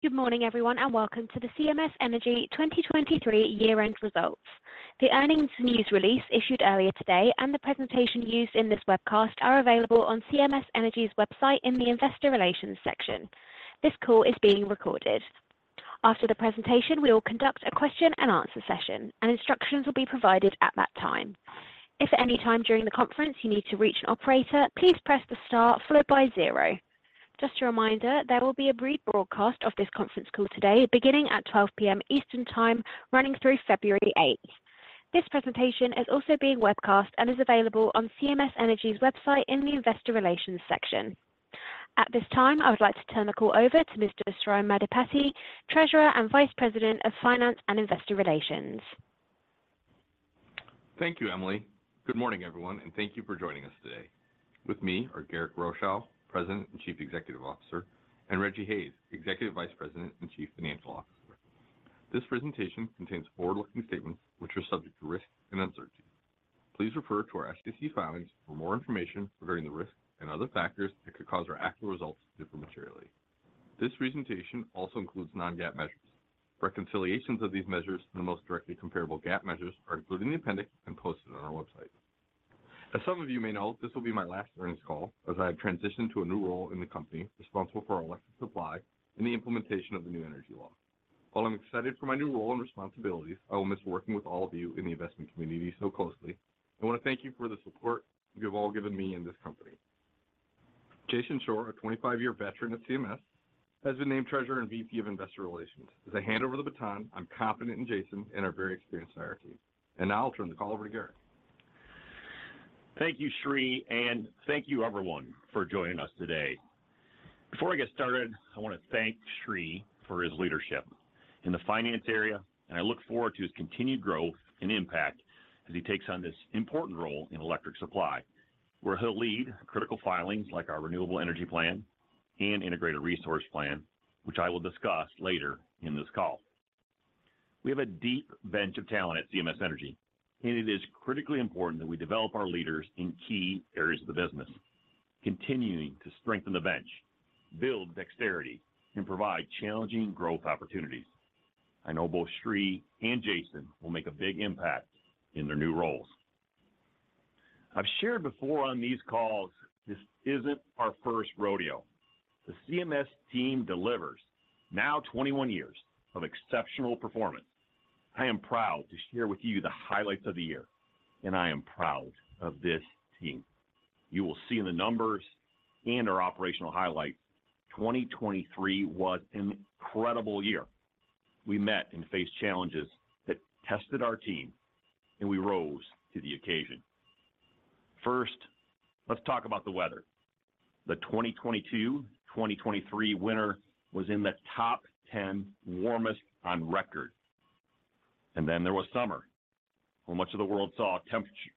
Good morning, everyone, and welcome to the CMS Energy 2023 year-end results. The earnings news release issued earlier today and the presentation used in this webcast are available on CMS Energy's website in the Investor Relations section. This call is being recorded. After the presentation, we will conduct a question and answer session, and instructions will be provided at that time. If at any time during the conference you need to reach an operator, please press the star followed by zero. Just a reminder, there will be a rebroadcast of this conference call today, beginning at 12:00 P.M. Eastern Time, running through February eighth. This presentation is also being webcast and is available on CMS Energy's website in the Investor Relations section. At this time, I would like to turn the call over to Mr. Sri Maddipati, Treasurer and Vice President of Finance and Investor Relations. Thank you, Emily. Good morning, everyone, and thank you for joining us today. With me are Garrick Rochow, President and Chief Executive Officer, and Rejji Hayes, Executive Vice President and Chief Financial Officer. This presentation contains forward-looking statements which are subject to risk and uncertainty. Please refer to our SEC filings for more information regarding the risk and other factors that could cause our actual results to differ materially. This presentation also includes non-GAAP measures. Reconciliations of these measures to the most directly comparable GAAP measures are included in the appendix and posted on our website. As some of you may know, this will be my last earnings call as I have transitioned to a new role in the company, responsible for our electric supply and the implementation of the new energy law. While I'm excited for my new role and responsibilities, I will miss working with all of you in the investment community so closely. I want to thank you for the support you've all given me and this company. Jason Shore, a 25-year veteran at CMS, has been named Treasurer and VP of Investor Relations. As I hand over the baton, I'm confident in Jason and our very experienced entire team. Now I'll turn the call over to Garrick. Thank you, Sri, and thank you, everyone, for joining us today. Before I get started, I want to thank Sri for his leadership in the finance area, and I look forward to his continued growth and impact as he takes on this important role in electric supply, where he'll lead critical filings like our Renewable Energy Plan and Integrated Resource Plan, which I will discuss later in this call. We have a deep bench of talent at CMS Energy, and it is critically important that we develop our leaders in key areas of the business, continuing to strengthen the bench, build dexterity, and provide challenging growth opportunities. I know both Sri and Jason will make a big impact in their new roles. I've shared before on these calls, this isn't our first rodeo. The CMS team delivers now 21 years of exceptional performance. I am proud to share with you the highlights of the year, and I am proud of this team. You will see in the numbers and our operational highlights, 2023 was an incredible year. We met and faced challenges that tested our team, and we rose to the occasion. First, let's talk about the weather. The 2022/2023 winter was in the top 10 warmest on record. Then there was summer, where much of the world saw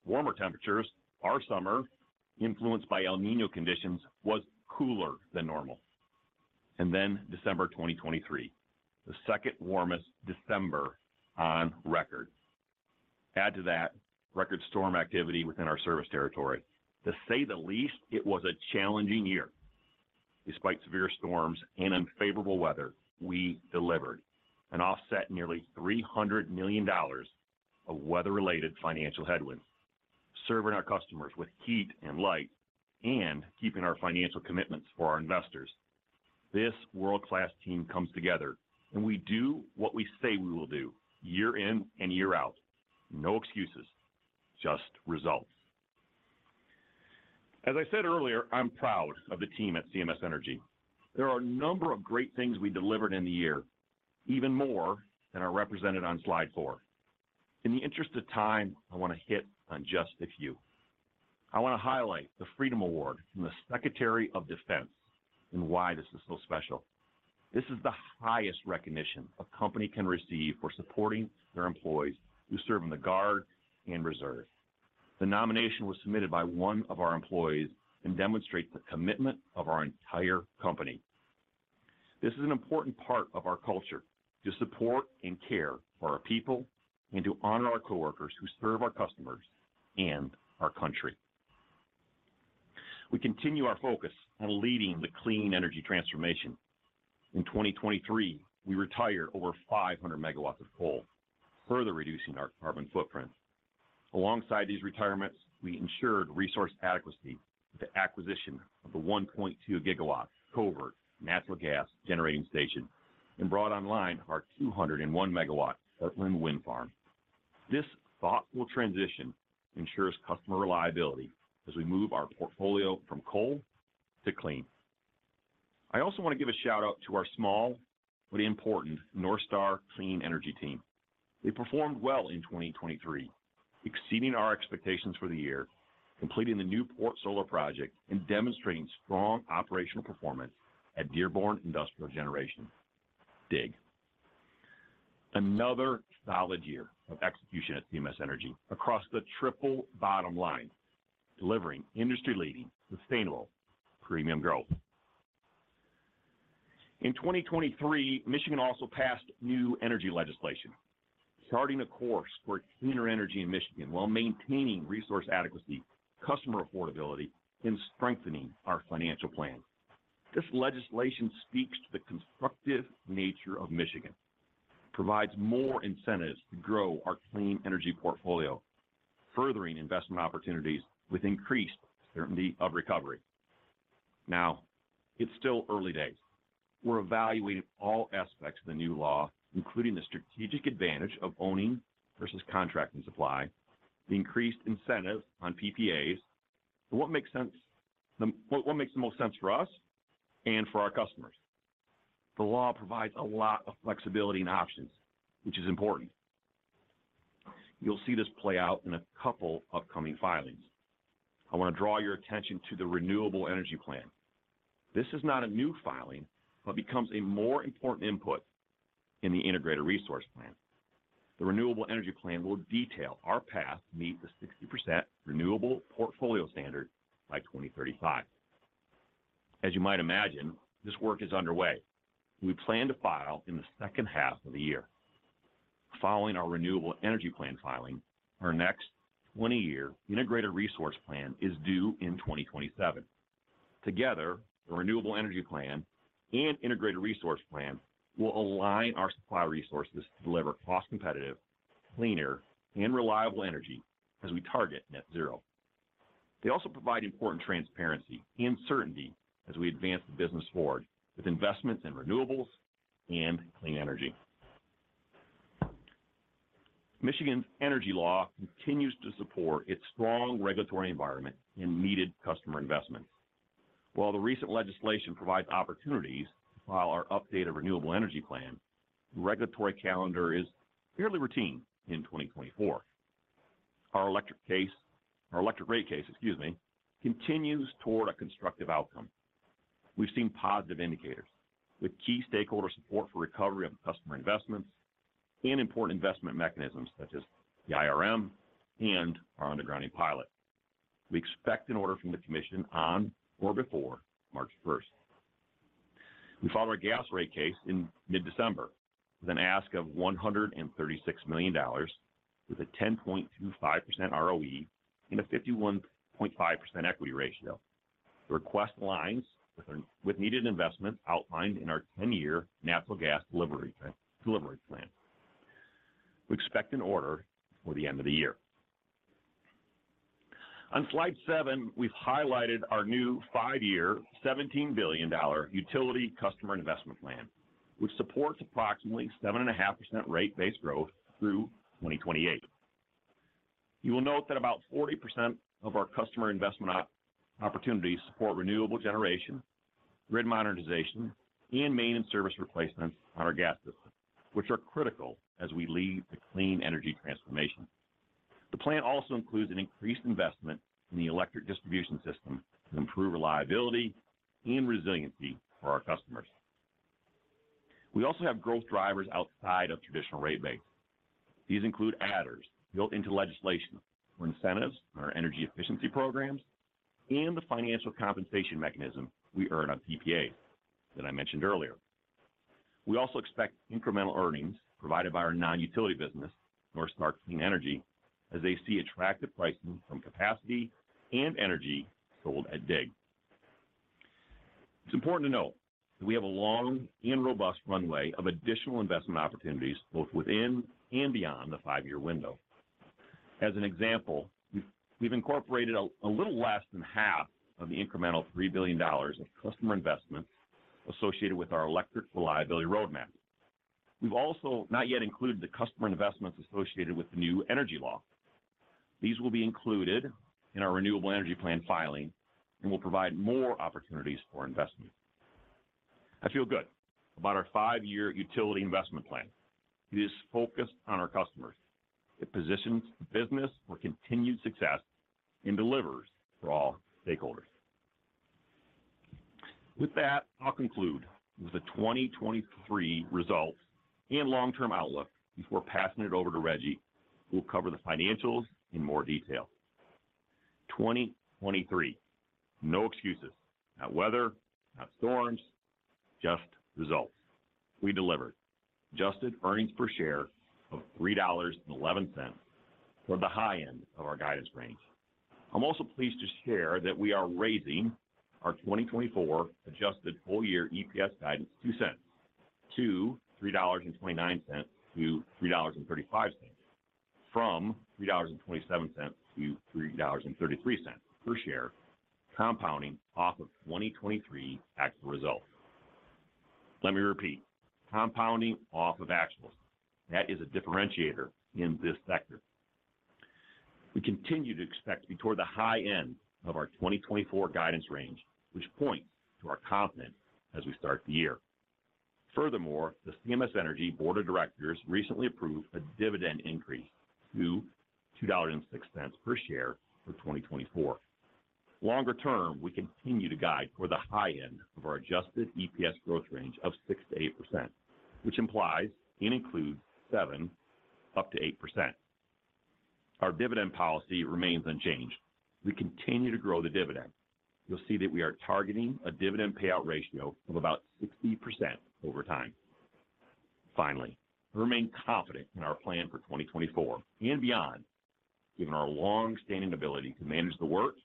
warmer temperatures. Our summer, influenced by El Niño conditions, was cooler than normal. Then December 2023, the second warmest December on record. Add to that, record storm activity within our service territory. To say the least, it was a challenging year. Despite severe storms and unfavorable weather, we delivered and offset nearly $300 million of weather-related financial headwinds, serving our customers with heat and light and keeping our financial commitments for our investors. This world-class team comes together, and we do what we say we will do, year in and year out. No excuses, just results. As I said earlier, I'm proud of the team at CMS Energy. There are a number of great things we delivered in the year, even more than are represented on slide 4. In the interest of time, I want to hit on just a few. I want to highlight the Freedom Award from the Secretary of Defense and why this is so special. This is the highest recognition a company can receive for supporting their employees who serve in the Guard and Reserve. The nomination was submitted by one of our employees and demonstrates the commitment of our entire company. This is an important part of our culture: to support and care for our people and to honor our coworkers who serve our customers and our country. We continue our focus on leading the clean energy transformation. In 2023, we retired over 500 MW of coal, further reducing our carbon footprint. Alongside these retirements, we ensured resource adequacy with the acquisition of the 1.2-GW Covert natural gas generating station and brought online our 201-MW Heartland Wind Farm. This thoughtful transition ensures customer reliability as we move our portfolio from coal to clean. I also want to give a shout-out to our small but important NorthStar Clean Energy team. They performed well in 2023, exceeding our expectations for the year, completing the Newport Solar project and demonstrating strong operational performance at Dearborn Industrial Generation, DIG. Another solid year of execution at CMS Energy across the triple bottom line, delivering industry-leading, sustainable premium growth. In 2023, Michigan also passed new energy legislation... charting a course for cleaner energy in Michigan, while maintaining resource adequacy, customer affordability, and strengthening our financial plan. This legislation speaks to the constructive nature of Michigan, provides more incentives to grow our clean energy portfolio, furthering investment opportunities with increased certainty of recovery. Now, it's still early days. We're evaluating all aspects of the new law, including the strategic advantage of owning versus contracting supply, the increased incentive on PPAs, and what makes sense, what makes the most sense for us and for our customers. The law provides a lot of flexibility and options, which is important. You'll see this play out in a couple upcoming filings. I want to draw your attention to the Renewable Energy Plan. This is not a new filing, but becomes a more important input in the Integrated Resource Plan. The Renewable Energy Plan will detail our path to meet the 60% renewable portfolio standard by 2035. As you might imagine, this work is underway. We plan to file in the second half of the year. Following our Renewable Energy Plan filing, our next 20-year Integrated Resource Plan is due in 2027. Together, the Renewable Energy Plan and Integrated Resource Plan will align our supply resources to deliver cost-competitive, cleaner, and reliable energy as we target net zero. They also provide important transparency and certainty as we advance the business forward with investments in renewables and clean energy. Michigan's energy law continues to support its strong regulatory environment and needed customer investments. While the recent legislation provides opportunities to file our updated renewable energy plan, the regulatory calendar is fairly routine in 2024. Our electric case, our electric rate case, excuse me, continues toward a constructive outcome. We've seen positive indicators, with key stakeholder support for recovery of customer investments and important investment mechanisms such as the IRM and our undergrounding pilot. We expect an order from the commission on or before March 1. We filed our gas rate case in mid-December with an ask of $136 million, with a 10.25% ROE and a 51.5% equity ratio. The request lines with needed investment outlined in our 10-year Natural Gas Delivery Plan. We expect an order for the end of the year. On slide 7, we've highlighted our new 5-year, $17 billion utility Customer Investment Plan, which supports approximately 7.5% rate base growth through 2028. You will note that about 40% of our customer investment opportunities support renewable generation, grid modernization, and main and service replacements on our gas system, which are critical as we lead the clean energy transformation. The plan also includes an increased investment in the electric distribution system to improve reliability and resiliency for our customers. We also have growth drivers outside of traditional rate base. These include adders built into legislation for incentives on our energy efficiency programs and the Financial Compensation Mechanism we earn on PPA, that I mentioned earlier. We also expect incremental earnings provided by our non-utility business, NorthStar Clean Energy, as they see attractive pricing from capacity and energy sold at DIG. It's important to note that we have a long and robust runway of additional investment opportunities, both within and beyond the five-year window. As an example, we've incorporated a little less than half of the incremental $3 billion of customer investments associated with our Electric Reliability Roadmap. We've also not yet included the customer investments associated with the new energy law. These will be included in our renewable energy plan filing and will provide more opportunities for investment. I feel good about our five-year utility investment plan. It is focused on our customers. It positions the business for continued success and delivers for all stakeholders. With that, I'll conclude with the 2023 results and long-term outlook before passing it over to Rejji, who will cover the financials in more detail. 2023, no excuses, not weather, not storms, just results. We delivered adjusted earnings per share of $3.11 for the high end of our guidance range. I'm also pleased to share that we are raising our 2024 adjusted full-year EPS guidance $0.02 to $3.29-$3.35, from $3.27-$3.33 per share, compounding off of 2023 actual results. Let me repeat, compounding off of actuals. That is a differentiator in this sector. We continue to expect to be toward the high end of our 2024 guidance range, which points to our confidence as we start the year. Furthermore, the CMS Energy Board of Directors recently approved a dividend increase to $2.06 per share for 2024. Longer term, we continue to guide for the high end of our adjusted EPS growth range of 6%-8%, which implies and includes 7%-8%.... Our dividend policy remains unchanged. We continue to grow the dividend. You'll see that we are targeting a dividend payout ratio of about 60% over time. Finally, we remain confident in our plan for 2024 and beyond, given our long-standing ability to manage the work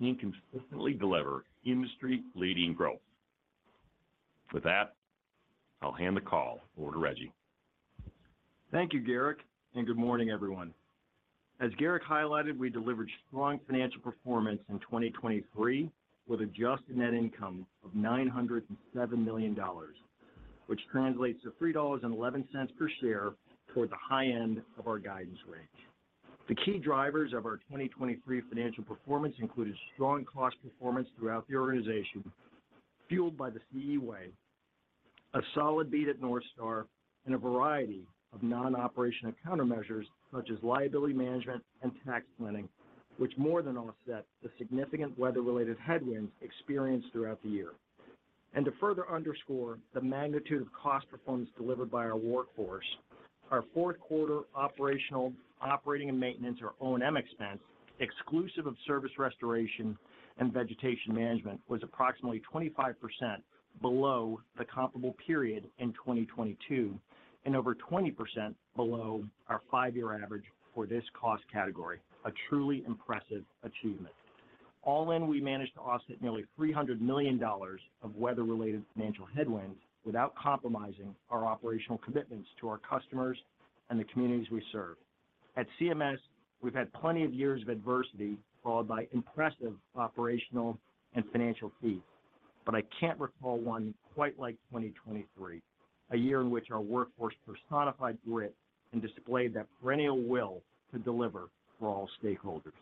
and consistently deliver industry-leading growth. With that, I'll hand the call over to Rejji. Thank you, Garrick, and good morning, everyone. As Garrick highlighted, we delivered strong financial performance in 2023, with adjusted net income of $907 million, which translates to $3.11 per share, toward the high end of our guidance range. The key drivers of our 2023 financial performance included strong cost performance throughout the organization, fueled by the CE Way, a solid beat at NorthStar, and a variety of non-operational countermeasures, such as liability management and tax planning, which more than offset the significant weather-related headwinds experienced throughout the year. To further underscore the magnitude of cost performance delivered by our workforce, our fourth quarter operational, operating and maintenance, or O&M expense, exclusive of service restoration and vegetation management, was approximately 25% below the comparable period in 2022, and over 20% below our 5-year average for this cost category. A truly impressive achievement. All in, we managed to offset nearly $300 million of weather-related financial headwinds without compromising our operational commitments to our customers and the communities we serve. At CMS, we've had plenty of years of adversity, followed by impressive operational and financial feats, but I can't recall one quite like 2023, a year in which our workforce personified grit and displayed that perennial will to deliver for all stakeholders.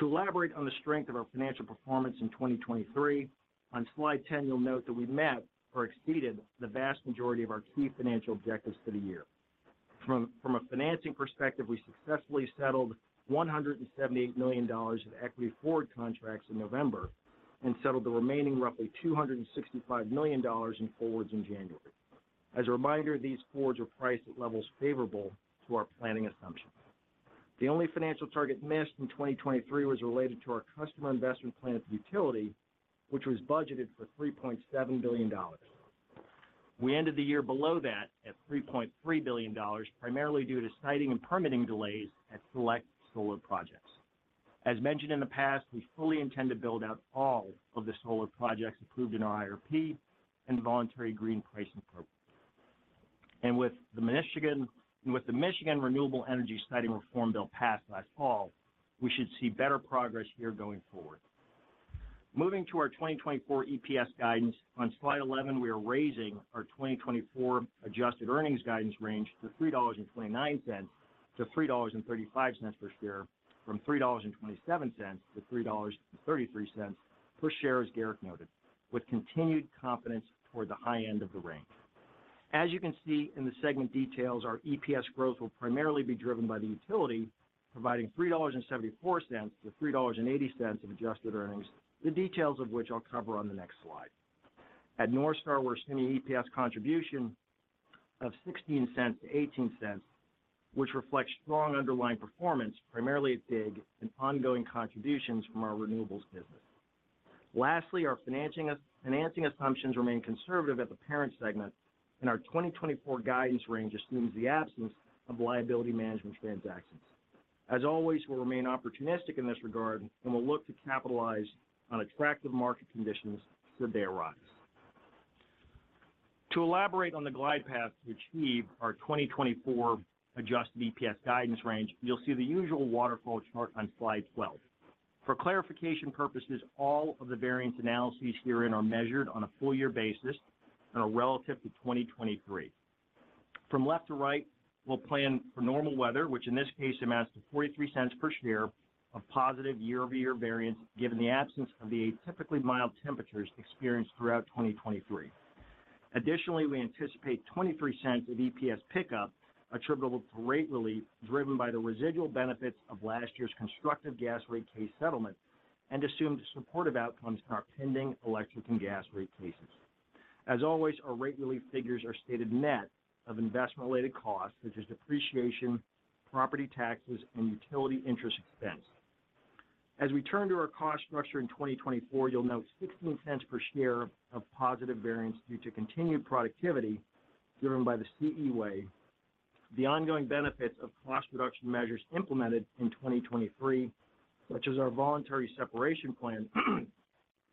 To elaborate on the strength of our financial performance in 2023, on slide 10, you'll note that we met or exceeded the vast majority of our key financial objectives for the year. From a financing perspective, we successfully settled $178 million of equity forward contracts in November, and settled the remaining roughly $265 million in forwards in January. As a reminder, these forwards were priced at levels favorable to our planning assumptions. The only financial target missed in 2023 was related to our customer investment plan at the utility, which was budgeted for $3.7 billion. We ended the year below that, at $3.3 billion, primarily due to siting and permitting delays at select solar projects. As mentioned in the past, we fully intend to build out all of the solar projects approved in our IRP and Voluntary Green Pricing program. And with the Michigan Renewable Energy Siting Reform Bill passed last fall, we should see better progress here going forward. Moving to our 2024 EPS guidance, on slide 11, we are raising our 2024 adjusted earnings guidance range to $3.29-$3.35 per share, from $3.27-$3.33 per share, as Garrick noted, with continued confidence toward the high end of the range. As you can see in the segment details, our EPS growth will primarily be driven by the utility, providing $3.74-$3.80 of adjusted earnings, the details of which I'll cover on the next slide. At NorthStar, we're seeing an EPS contribution of $0.16-$0.18, which reflects strong underlying performance, primarily at DIG, and ongoing contributions from our renewables business. Lastly, our financing assumptions remain conservative at the parent segment, and our 2024 guidance range assumes the absence of liability management transactions. As always, we'll remain opportunistic in this regard, and will look to capitalize on attractive market conditions should they arise. To elaborate on the glide path to achieve our 2024 adjusted EPS guidance range, you'll see the usual waterfall chart on slide 12. For clarification purposes, all of the variance analyses herein are measured on a full year basis and are relative to 2023. From left to right, we'll plan for normal weather, which in this case amounts to $0.43 per share of positive year-over-year variance, given the absence of the atypically mild temperatures experienced throughout 2023. Additionally, we anticipate $0.23 of EPS pickup attributable to rate relief, driven by the residual benefits of last year's constructive gas rate case settlement and assumed supportive outcomes in our pending electric and gas rate cases. As always, our rate relief figures are stated net of investment-related costs, such as depreciation, property taxes, and utility interest expense. As we turn to our cost structure in 2024, you'll note $0.16 per share of positive variance due to continued productivity driven by the CE Way, the ongoing benefits of cost reduction measures implemented in 2023, such as our voluntary separation plan,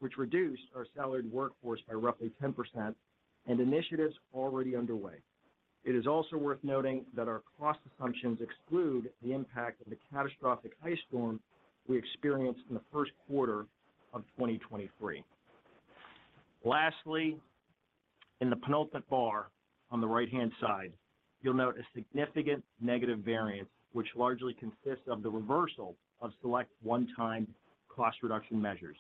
which reduced our salaried workforce by roughly 10%, and initiatives already underway. It is also worth noting that our cost assumptions exclude the impact of the catastrophic ice storm we experienced in the first quarter of 2023. Lastly, in the penultimate bar on the right-hand side, you'll note a significant negative variance, which largely consists of the reversal of select one-time cost reduction measures.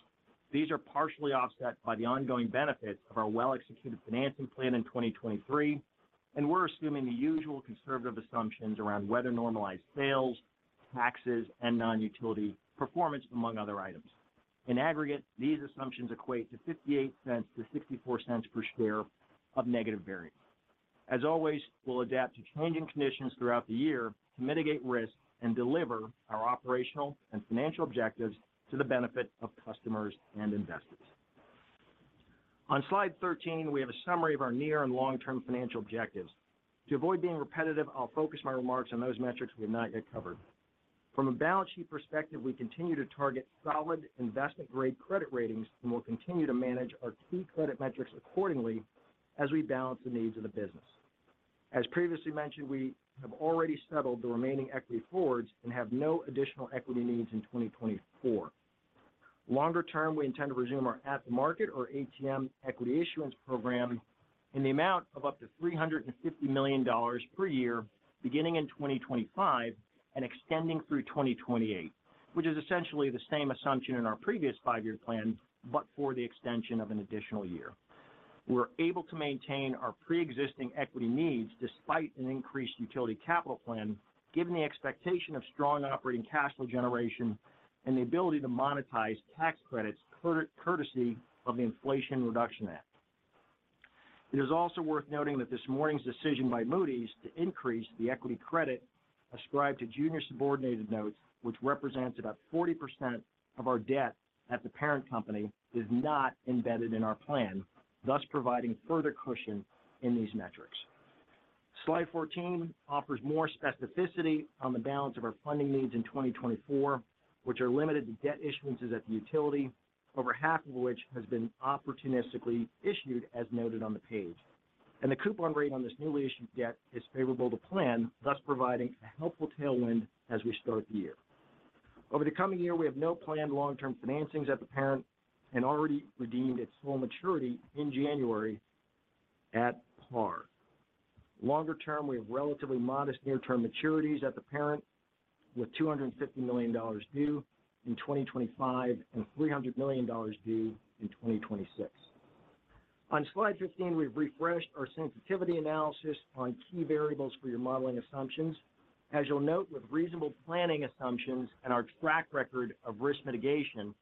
These are partially offset by the ongoing benefits of our well-executed financing plan in 2023, and we're assuming the usual conservative assumptions around weather-normalized sales, taxes, and non-utility performance, among other items.... In aggregate, these assumptions equate to $0.58-$0.64 per share of negative variance. As always, we'll adapt to changing conditions throughout the year to mitigate risk and deliver our operational and financial objectives to the benefit of customers and investors. On slide 13, we have a summary of our near and long-term financial objectives. To avoid being repetitive, I'll focus my remarks on those metrics we have not yet covered. From a balance sheet perspective, we continue to target solid investment-grade credit ratings, and we'll continue to manage our key credit metrics accordingly as we balance the needs of the business. As previously mentioned, we have already settled the remaining equity forwards and have no additional equity needs in 2024. Longer term, we intend to resume our at-the-market or ATM equity issuance program in the amount of up to $350 million per year, beginning in 2025 and extending through 2028, which is essentially the same assumption in our previous five-year plan, but for the extension of an additional year. We're able to maintain our preexisting equity needs despite an increased utility capital plan, given the expectation of strong operating cash flow generation and the ability to monetize tax credits courtesy of the Inflation Reduction Act. It is also worth noting that this morning's decision by Moody's to increase the equity credit ascribed to junior subordinated notes, which represents about 40% of our debt at the parent company, is not embedded in our plan, thus providing further cushion in these metrics. Slide 14 offers more specificity on the balance of our funding needs in 2024, which are limited to debt issuances at the utility, over half of which has been opportunistically issued, as noted on the page. The coupon rate on this newly issued debt is favorable to plan, thus providing a helpful tailwind as we start the year. Over the coming year, we have no planned long-term financings at the parent and already redeemed its full maturity in January at par. Longer term, we have relatively modest near-term maturities at the parent, with $250 million due in 2025 and $300 million due in 2026. On Slide 15, we've refreshed our sensitivity analysis on key variables for your modeling assumptions. As you'll note, with reasonable planning assumptions and our track record of risk mitigation,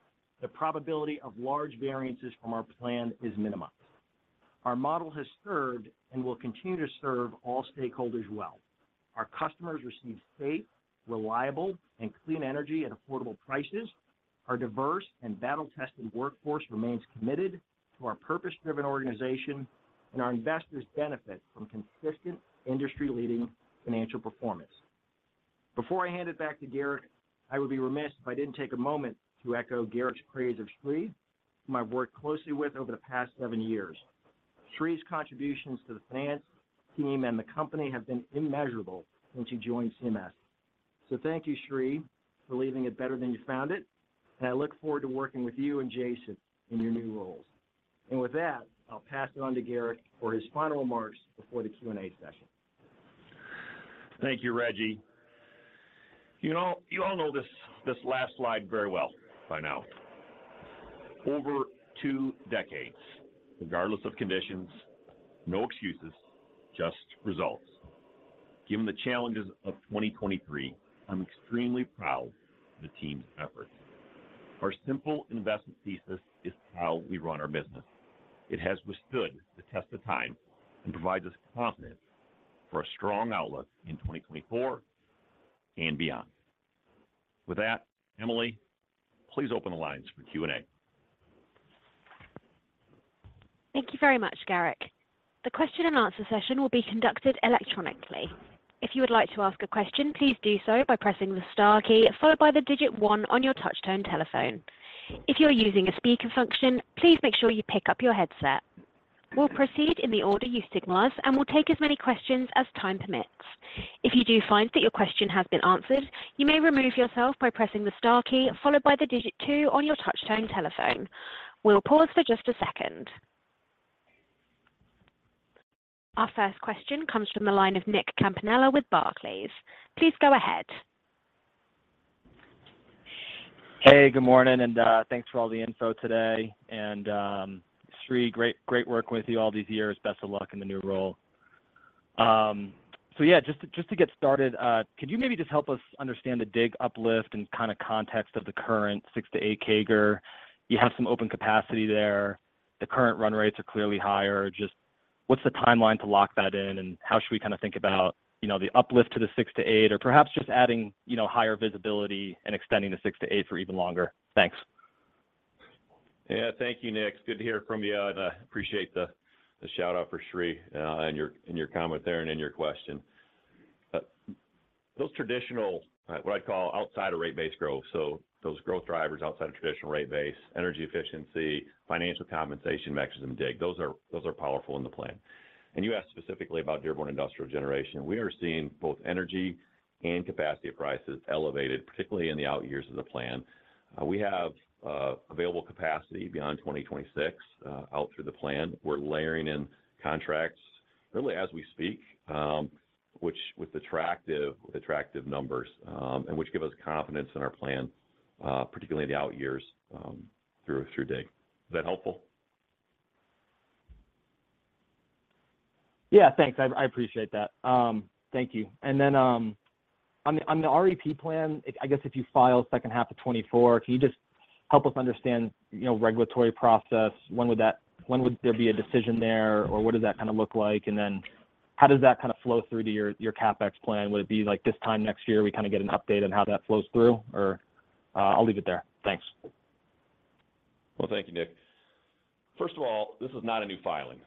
the probability of large variances from our plan is minimized. Our model has served and will continue to serve all stakeholders well. Our customers receive safe, reliable, and clean energy at affordable prices. Our diverse and battle-tested workforce remains committed to our purpose-driven organization, and our investors benefit from consistent, industry-leading financial performance. Before I hand it back to Garrick, I would be remiss if I didn't take a moment to echo Garrick's praise of Sri, whom I've worked closely with over the past seven years. Sri's contributions to the finance team and the company have been immeasurable since he joined CMS. So thank you, Sri, for leaving it better than you found it, and I look forward to working with you and Jason in your new roles. With that, I'll pass it on to Garrick for his final remarks before the Q&A session. Thank you, Rejji. You know, you all know this, this last slide very well by now. Over two decades, regardless of conditions, no excuses, just results. Given the challenges of 2023, I'm extremely proud of the team's efforts. Our simple investment thesis is how we run our business. It has withstood the test of time and provides us confidence for a strong outlook in 2024 and beyond. With that, Emily, please open the lines for Q&A. Thank you very much, Garrick. The question and answer session will be conducted electronically. If you would like to ask a question, please do so by pressing the star key, followed by the digit 1 on your touchtone telephone. If you are using a speaker function, please make sure you pick up your headset. We'll proceed in the order you signal us, and we'll take as many questions as time permits. If you do find that your question has been answered, you may remove yourself by pressing the star key, followed by the digit 2 on your touchtone telephone. We'll pause for just a second. Our first question comes from the line of Nick Campanella with Barclays. Please go ahead. Hey, good morning, and thanks for all the info today. And, Sri, great, great work with you all these years. Best of luck in the new role. So yeah, just to get started, could you maybe just help us understand the DIG uplift and kind of context of the current 6-8 CAGR? You have some open capacity there. The current run rates are clearly higher. Just what's the timeline to lock that in, and how should we kind of think about, you know, the uplift to the 6-8, or perhaps just adding, you know, higher visibility and extending the 6-8 for even longer? Thanks. Yeah, thank you, Nick. It's good to hear from you, and appreciate the shout-out for Sri in your comment there and in your question. Those traditional what I'd call outside of rate base growth, so those growth drivers outside of traditional rate base, energy efficiency, financial compensation mechanism, DIG, those are powerful in the plan. And you asked specifically about Dearborn Industrial Generation. We are seeing both energy and capacity prices elevated, particularly in the out years of the plan. We have available capacity beyond 2026 out through the plan. We're layering in contracts really as we speak, which with attractive numbers, and which give us confidence in our plan, particularly in the out years, through DIG. Is that helpful?... Yeah, thanks. I appreciate that. Thank you. And then, on the REP plan, I guess if you file second half of 2024, can you just help us understand, you know, regulatory process? When would there be a decision there, or what does that kind of look like? And then how does that kind of flow through to your CapEx plan? Would it be, like, this time next year, we kind of get an update on how that flows through or...? I'll leave it there. Thanks. Well, thank you, Nick. First of all, this is not a new filing.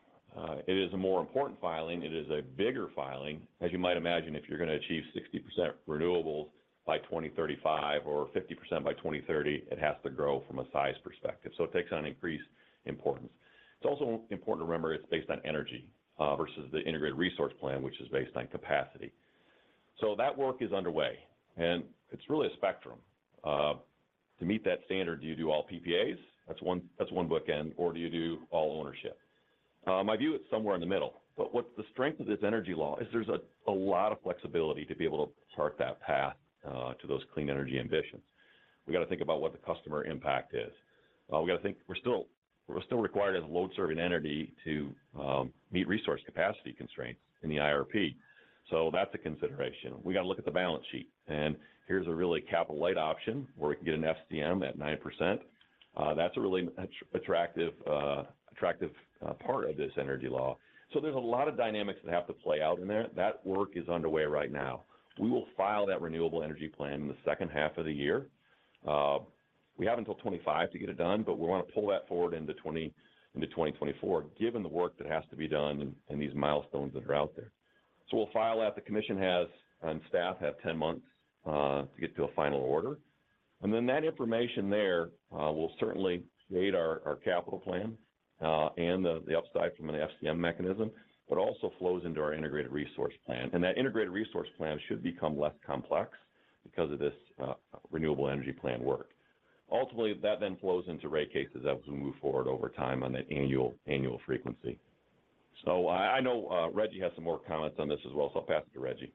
It is a more important filing. It is a bigger filing. As you might imagine, if you're going to achieve 60% renewables by 2035 or 50% by 2030, it has to grow from a size perspective, so it takes on increased importance. It's also important to remember it's based on energy versus the Integrated Resource Plan, which is based on capacity. So that work is underway, and it's really a spectrum. To meet that standard, do you do all PPAs? That's one, that's one bookend. Or do you do all ownership? My view, it's somewhere in the middle, but what the strength of this energy law is there's a lot of flexibility to be able to chart that path to those clean energy ambitions. We've got to think about what the customer impact is. We've got to think... We're still, we're still required as a load-serving entity to meet resource capacity constraints in the IRP, so that's a consideration. We got to look at the balance sheet, and here's a really capital-light option, where we can get an FCM at 9%. That's a really attractive part of this energy law. So there's a lot of dynamics that have to play out in there. That work is underway right now. We will file that renewable energy plan in the second half of the year. We have until 2025 to get it done, but we want to pull that forward into 2024, given the work that has to be done and these milestones that are out there. So we'll file that. The commission has, and staff have 10 months to get to a final order. Then that information there will certainly create our, our capital plan, and the, the upside from the FCM mechanism, but also flows into our integrated resource plan. That integrated resource plan should become less complex because of this, renewable energy plan work. Ultimately, that then flows into rate cases as we move forward over time on an annual, annual frequency. So I, I know, Rejji has some more comments on this as well, so I'll pass it to Rejji.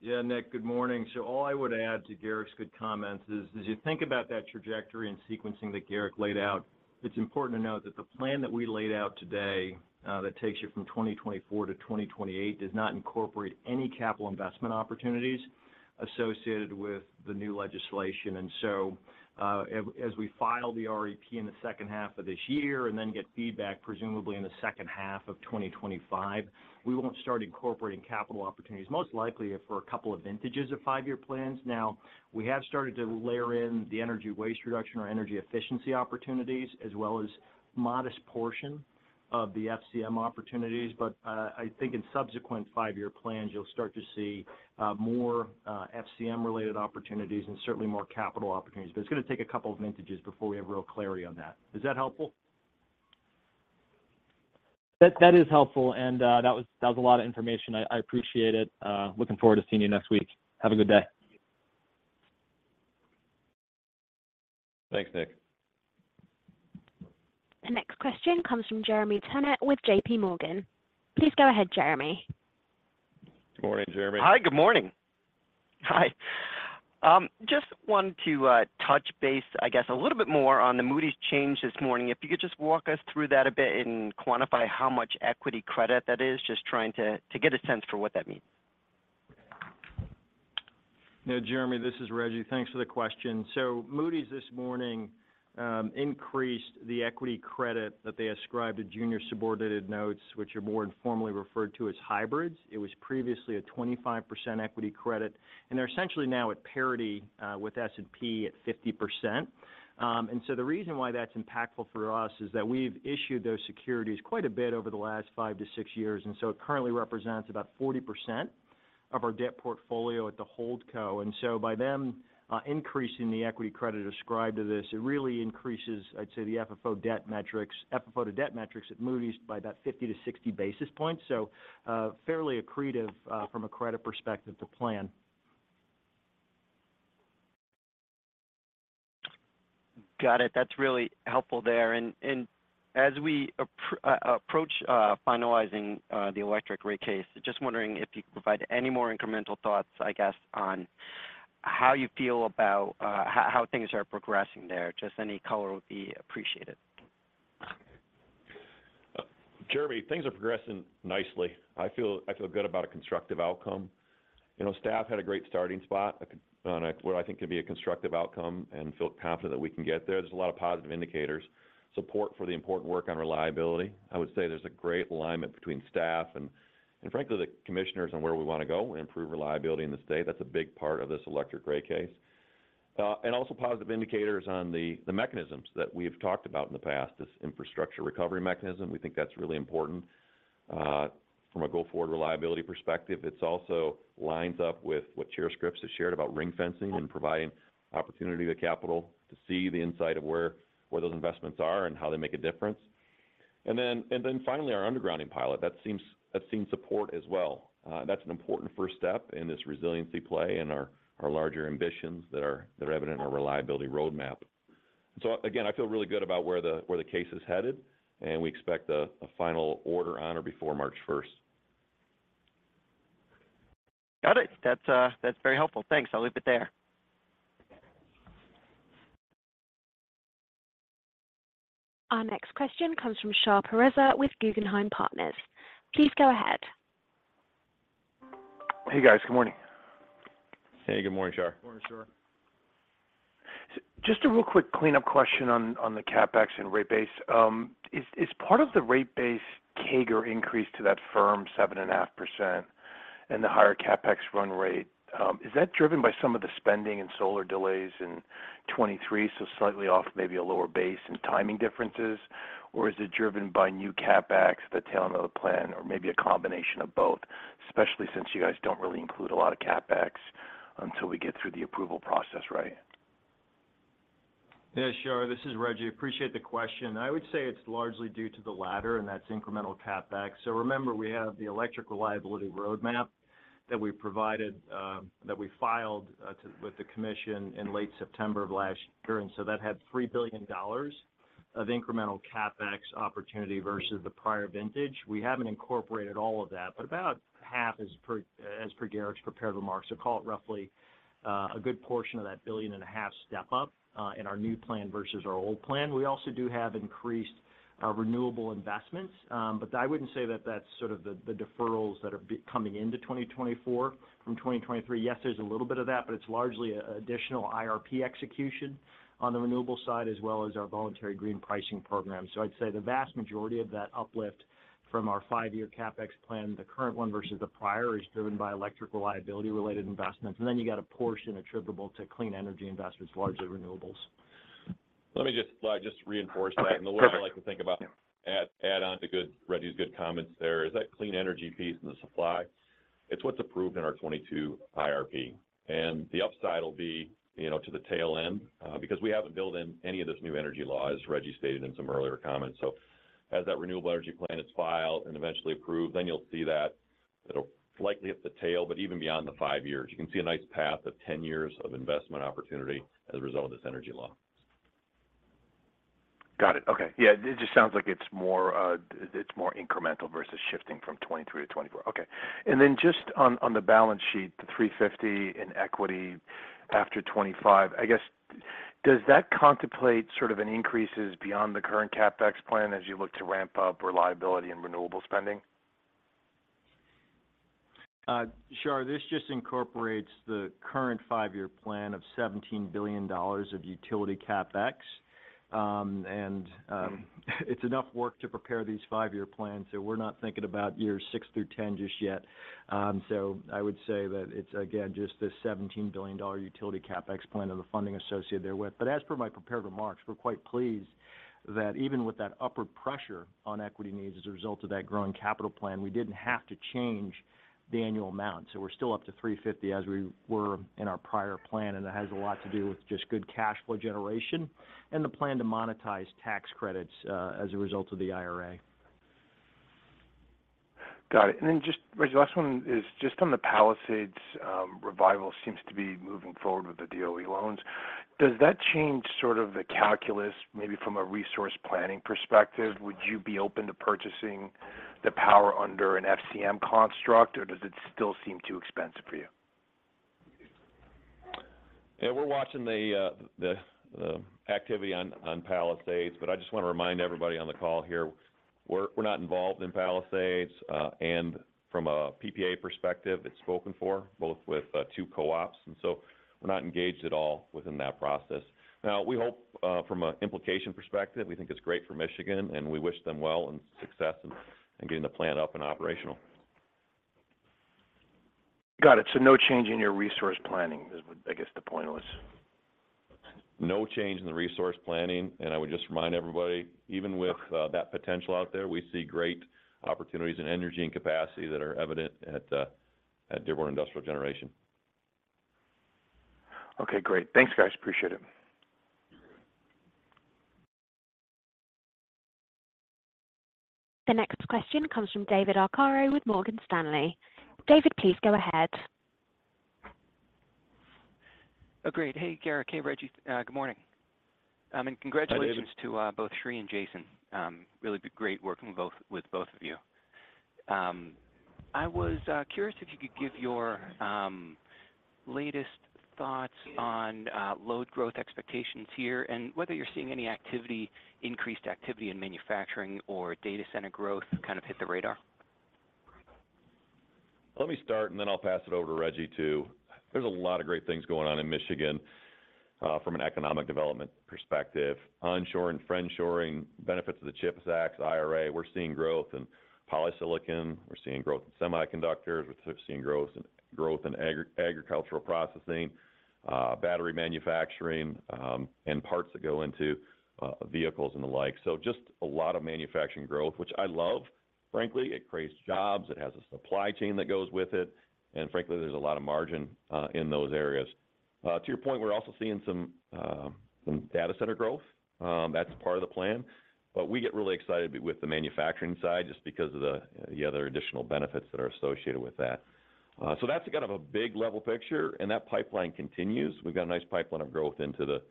Yeah, Nick, good morning. So all I would add to Garrick's good comments is, as you think about that trajectory and sequencing that Garrick laid out, it's important to note that the plan that we laid out today, that takes you from 2024 to 2028, does not incorporate any capital investment opportunities associated with the new legislation. And so, as we file the REP in the second half of this year and then get feedback, presumably in the second half of 2025, we won't start incorporating capital opportunities, most likely for a couple of vintages of five-year plans. Now, we have started to layer in the Energy Waste Reduction or energy efficiency opportunities, as well as modest portion of the FCM opportunities. But, I think in subsequent five-year plans, you'll start to see, more FCM-related opportunities and certainly more capital opportunities. But it's going to take a couple of vintages before we have real clarity on that. Is that helpful? That is helpful, and that was a lot of information. I appreciate it. Looking forward to seeing you next week. Have a good day. Thanks, Nick. The next question comes from Jeremy Tonet with JP Morgan. Please go ahead, Jeremy. Good morning, Jeremy. Hi, good morning. Hi. Just wanted to touch base, I guess, a little bit more on the Moody's change this morning. If you could just walk us through that a bit and quantify how much equity credit that is. Just trying to get a sense for what that means. Yeah, Jeremy, this is Rejji. Thanks for the question. So Moody's this morning increased the equity credit that they ascribed to junior subordinated notes, which are more informally referred to as hybrids. It was previously a 25% equity credit, and they're essentially now at parity with S&P at 50%. And so the reason why that's impactful for us is that we've issued those securities quite a bit over the last 5-6 years, and so it currently represents about 40% of our debt portfolio at the Holdco. And so by them increasing the equity credit ascribed to this, it really increases, I'd say, the FFO debt metrics, FFO to debt metrics at Moody's by about 50-60 basis points. So fairly accretive from a credit perspective to plan. Got it. That's really helpful there. And as we approach finalizing the electric rate case, just wondering if you could provide any more incremental thoughts, I guess, on how you feel about how things are progressing there. Just any color would be appreciated. Jeremy, things are progressing nicely. I feel, I feel good about a constructive outcome. You know, staff had a great starting spot on what I think could be a constructive outcome and feel confident that we can get there. There's a lot of positive indicators, support for the important work on reliability. I would say there's a great alignment between staff and, and frankly, the commissioners on where we want to go, improve reliability in the state. That's a big part of this electric rate case. And also positive indicators on the, the mechanisms that we've talked about in the past, this infrastructure recovery mechanism. We think that's really important, from a go-forward reliability perspective. It's also lines up with what Chair Scripps has shared about ring fencing and providing opportunity to capital to see the insight of where those investments are and how they make a difference. And then finally, our undergrounding pilot, that seems support as well. That's an important first step in this resiliency play and our larger ambitions that are evident in our Reliability Roadmap. So again, I feel really good about where the case is headed, and we expect a final order on or before March first. Got it. That's, that's very helpful. Thanks. I'll leave it there.... Our next question comes from Shar Pourreza with Guggenheim Partners. Please go ahead. Hey, guys. Good morning. Hey, good morning, Shar. Good morning, Shar. Just a real quick cleanup question on the CapEx and rate base. Is part of the rate base CAGR increase to that firm 7.5% and the higher CapEx run rate driven by some of the spending and solar delays in 2023, so slightly off, maybe a lower base and timing differences? Or is it driven by new CapEx, the tail end of the plan, or maybe a combination of both, especially since you guys don't really include a lot of CapEx until we get through the approval process, right? Yeah, Shar, this is Rejji. Appreciate the question. I would say it's largely due to the latter, and that's incremental CapEx. So remember, we have the electric reliability roadmap that we provided, that we filed, with the commission in late September of last year, and so that had $3 billion of incremental CapEx opportunity versus the prior vintage. We haven't incorporated all of that, but about half, as per, as per Garrick's prepared remarks. So call it roughly, a good portion of that $1.5 billion step up, in our new plan versus our old plan. We also do have increased, renewable investments, but I wouldn't say that that's sort of the, the deferrals that are coming into 2024 from 2023. Yes, there's a little bit of that, but it's largely a additional IRP execution on the renewable side, as well as our voluntary green pricing program. So I'd say the vast majority of that uplift from our five-year CapEx plan, the current one versus the prior, is driven by electric reliability-related investments. And then you got a portion attributable to clean energy investments, largely renewables. Let me just, just reinforce that. Okay, perfect. And the way I like to think about adding on to Rejji's good comments there is that clean energy piece and the supply, it's what's approved in our 2022 IRP. And the upside will be, you know, to the tail end, because we haven't built in any of this new energy law, as Rejji stated in some earlier comments. So as that renewable energy plan is filed and eventually approved, then you'll see that. It'll likely hit the tail, but even beyond the 5 years, you can see a nice path of 10 years of investment opportunity as a result of this energy law. Got it. Okay. Yeah, it just sounds like it's more, it's more incremental versus shifting from 2023 to 2024. Okay. And then just on, on the balance sheet, the $350 in equity after 2025, I guess, does that contemplate sort of an increases beyond the current CapEx plan as you look to ramp up reliability and renewable spending? Shar, this just incorporates the current five-year plan of $17 billion of utility CapEx. It's enough work to prepare these five-year plans, so we're not thinking about years 6 through 10 just yet. I would say that it's, again, just the $17 billion utility CapEx plan and the funding associated therewith. But as per my prepared remarks, we're quite pleased that even with that upward pressure on equity needs as a result of that growing capital plan, we didn't have to change the annual amount. So we're still up to $350 million, as we were in our prior plan, and that has a lot to do with just good cash flow generation and the plan to monetize tax credits, as a result of the IRA. Got it. Then just, Rejji, the last one is just on the Palisades revival seems to be moving forward with the DOE loans. Does that change sort of the calculus, maybe from a resource planning perspective? Would you be open to purchasing the power under an FCM construct, or does it still seem too expensive for you? Yeah, we're watching the activity on Palisades, but I just want to remind everybody on the call here, we're not involved in Palisades. And from a PPA perspective, it's spoken for, both with two co-ops, and so we're not engaged at all within that process. Now, we hope from an implication perspective, we think it's great for Michigan, and we wish them well in success and in getting the plant up and operational. Got it. So no change in your resource planning is what I guess the point was. No change in the resource planning, and I would just remind everybody, even with that potential out there, we see great opportunities in energy and capacity that are evident at Dearborn Industrial Generation. Okay, great. Thanks, guys. Appreciate it. The next question comes from David Arcaro with Morgan Stanley. David, please go ahead. Oh, great. Hey, Garrick, hey, Rejji, good morning. And congratulations- Hi, David. - to both Sri and Jason. Really been great working with both, with both of you. I was curious if you could give your latest thoughts on load growth expectations here, and whether you're seeing any activity, increased activity in manufacturing or data center growth kind of hit the radar? Let me start, and then I'll pass it over to Rejji, too. There's a lot of great things going on in Michigan from an economic development perspective. Onshoring, friendshoring, benefits of the CHIPS Act, IRA. We're seeing growth in polysilicon, we're seeing growth in semiconductors, we're seeing growth in agricultural processing, battery manufacturing, and parts that go into vehicles and the like. So just a lot of manufacturing growth, which I love, frankly. It creates jobs, it has a supply chain that goes with it, and frankly, there's a lot of margin in those areas. To your point, we're also seeing some data center growth. That's part of the plan. But we get really excited with the manufacturing side, just because of the other additional benefits that are associated with that. So that's kind of a big level picture, and that pipeline continues. We've got a nice pipeline of growth into the,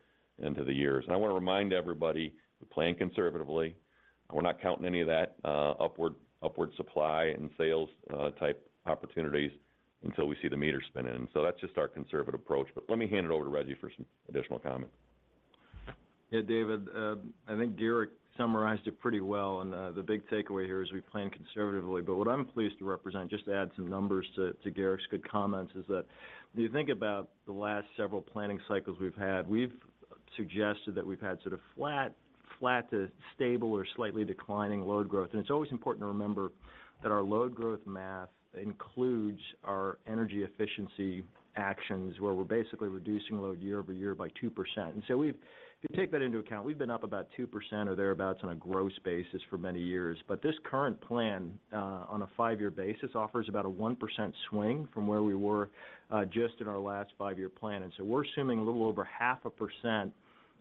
into the years. And I want to remind everybody, we're playing conservatively.... We're not counting any of that, upward, upward supply and sales, type opportunities until we see the meter spinning. So that's just our conservative approach. But let me hand it over to Rejji for some additional comments. Yeah, David, I think Garrick summarized it pretty well, and the big takeaway here is we plan conservatively. But what I'm pleased to represent, just to add some numbers to Garrick's good comments, is that when you think about the last several planning cycles we've had, we've suggested that we've had sort of flat, flat to stable or slightly declining load growth. And it's always important to remember that our load growth math includes our energy efficiency actions, where we're basically reducing load year over year by 2%. And so we've, if you take that into account, we've been up about 2% or thereabouts on a gross basis for many years. But this current plan, on a five-year basis, offers about a 1% swing from where we were, just in our last five-year plan. We're assuming a little over 0.5%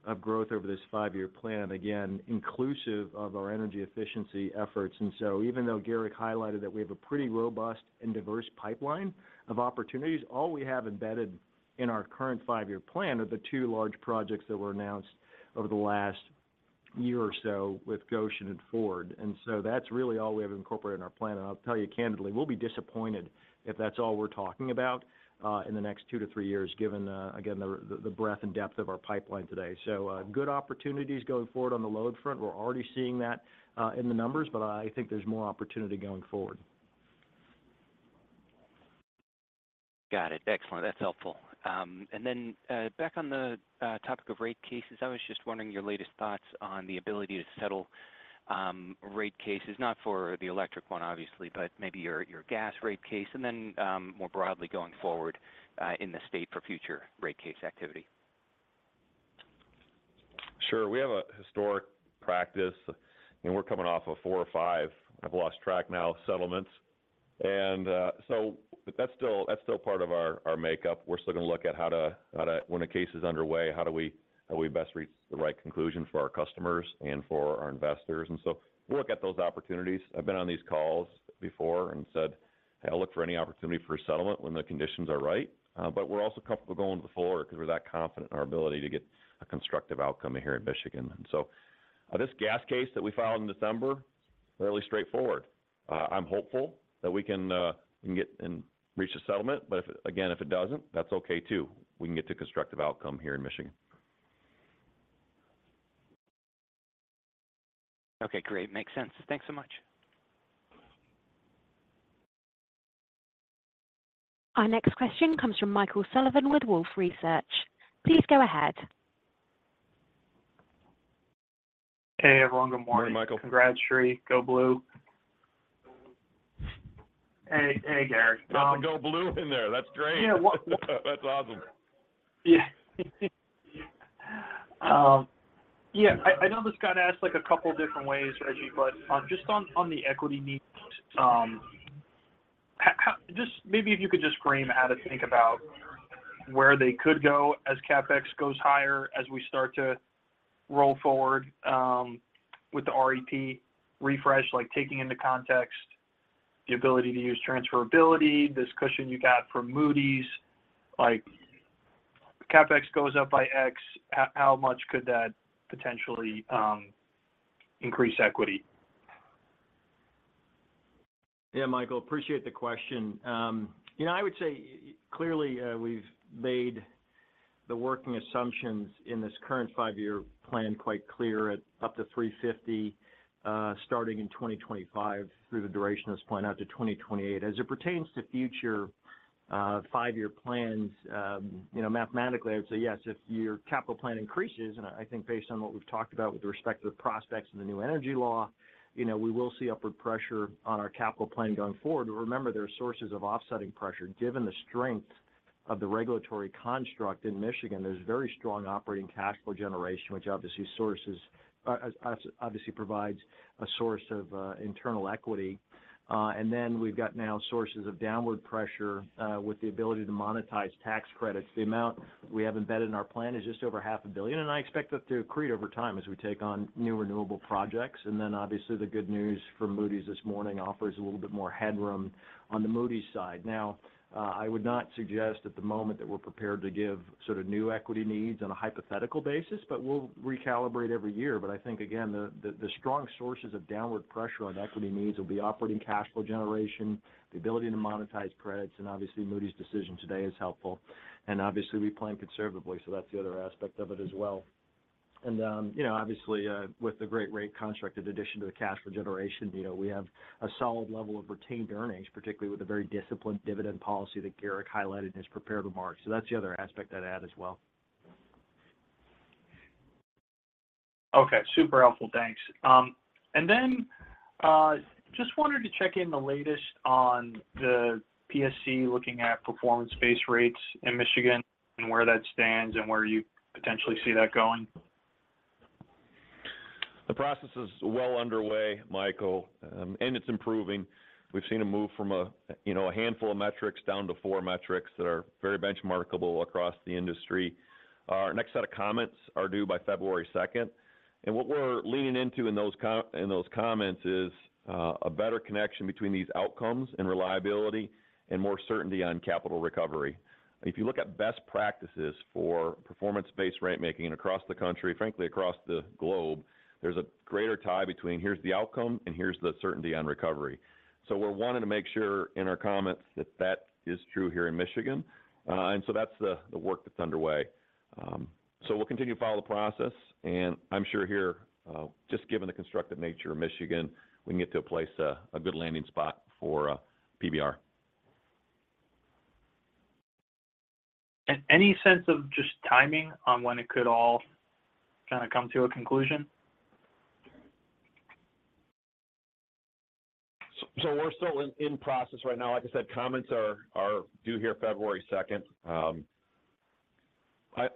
of growth over this five-year plan, again, inclusive of our energy efficiency efforts. Even though Garrick highlighted that we have a pretty robust and diverse pipeline of opportunities, all we have embedded in our current five-year plan are the 2 large projects that were announced over the last year or so with Gotion and Ford. That's really all we have incorporated in our plan. I'll tell you candidly, we'll be disappointed if that's all we're talking about in the next 2-3 years, given again the breadth and depth of our pipeline today. Good opportunities going forward on the load front. We're already seeing that in the numbers, but I think there's more opportunity going forward. Got it. Excellent. That's helpful. And then, back on the topic of rate cases, I was just wondering your latest thoughts on the ability to settle rate cases, not for the electric one, obviously, but maybe your gas rate case, and then more broadly going forward, in the state for future rate case activity. Sure. We have a historic practice, and we're coming off of four or five, I've lost track now, settlements. And, so but that's still, that's still part of our, our makeup. We're still going to look at how to—when a case is underway, how do we, how do we best reach the right conclusion for our customers and for our investors? And so we'll look at those opportunities. I've been on these calls before and said, "Hey, I'll look for any opportunity for a settlement when the conditions are right." But we're also comfortable going before because we're that confident in our ability to get a constructive outcome here in Michigan. And so, this gas case that we filed in December, fairly straightforward. I'm hopeful that we can can get and reach a settlement, but if, again, if it doesn't, that's okay, too. We can get to a constructive outcome here in Michigan. Okay, great. Makes sense. Thanks so much. Our next question comes from Michael Sullivan with Wolfe Research. Please go ahead. Hey, everyone. Good morning. Good morning, Michael. Congrats, Sri. Go blue. Hey, hey, Garrick- Got the Go Blue in there. That's great. Yeah, well- That's awesome. Yeah. Yeah, I know this got asked, like, a couple different ways, Rejji, but on just on the equity needs, how just maybe if you could just frame how to think about where they could go as CapEx goes higher, as we start to roll forward with the REP refresh, like, taking into context the ability to use transferability, discussion you got from Moody's. Like, CapEx goes up by X, how much could that potentially increase equity? Yeah, Michael, appreciate the question. You know, I would say, clearly, we've made the working assumptions in this current five-year plan quite clear at up to $350, starting in 2025 through the duration of this plan out to 2028. As it pertains to future, five-year plans, you know, mathematically, I'd say yes, if your capital plan increases, and I think based on what we've talked about with respect to the prospects and the new energy law, you know, we will see upward pressure on our capital plan going forward. But remember, there are sources of offsetting pressure. Given the strength of the regulatory construct in Michigan, there's very strong operating cash flow generation, which obviously provides a source of internal equity. And then we've got now sources of downward pressure, with the ability to monetize tax credits. The amount we have embedded in our plan is just over $500 million, and I expect that to accrete over time as we take on new renewable projects. And then, obviously, the good news from Moody's this morning offers a little bit more headroom on the Moody's side. Now, I would not suggest at the moment that we're prepared to give sort of new equity needs on a hypothetical basis, but we'll recalibrate every year. But I think, again, the, the, the strong sources of downward pressure on equity needs will be operating cash flow generation, the ability to monetize credits, and obviously, Moody's decision today is helpful. And obviously, we plan conservatively, so that's the other aspect of it as well. You know, obviously, with the great rate construct, in addition to the cash flow generation, you know, we have a solid level of retained earnings, particularly with a very disciplined dividend policy that Garrick highlighted in his prepared remarks. So that's the other aspect I'd add as well. Okay, super helpful. Thanks. And then, just wanted to check in on the latest on the PSC, looking at performance-based rates in Michigan and where that stands and where you potentially see that going? The process is well underway, Michael, and it's improving. We've seen a move from a, you know, a handful of metrics down to four metrics that are very benchmarkable across the industry. Our next set of comments are due by February second, and what we're leaning into in those comments is, a better connection between these outcomes and reliability and more certainty on capital recovery. If you look at best practices for performance-based ratemaking across the country, frankly, across the globe, there's a greater tie between here's the outcome and here's the certainty on recovery. So we're wanting to make sure in our comments that that is true here in Michigan. And so that's the, the work that's underway. So we'll continue to follow the process, and I'm sure here, just given the constructive nature of Michigan, we can get to a place, a good landing spot for PBR. Any sense of just timing on when it could all kinda come to a conclusion? So, we're still in process right now. Like I said, comments are due here February 2nd.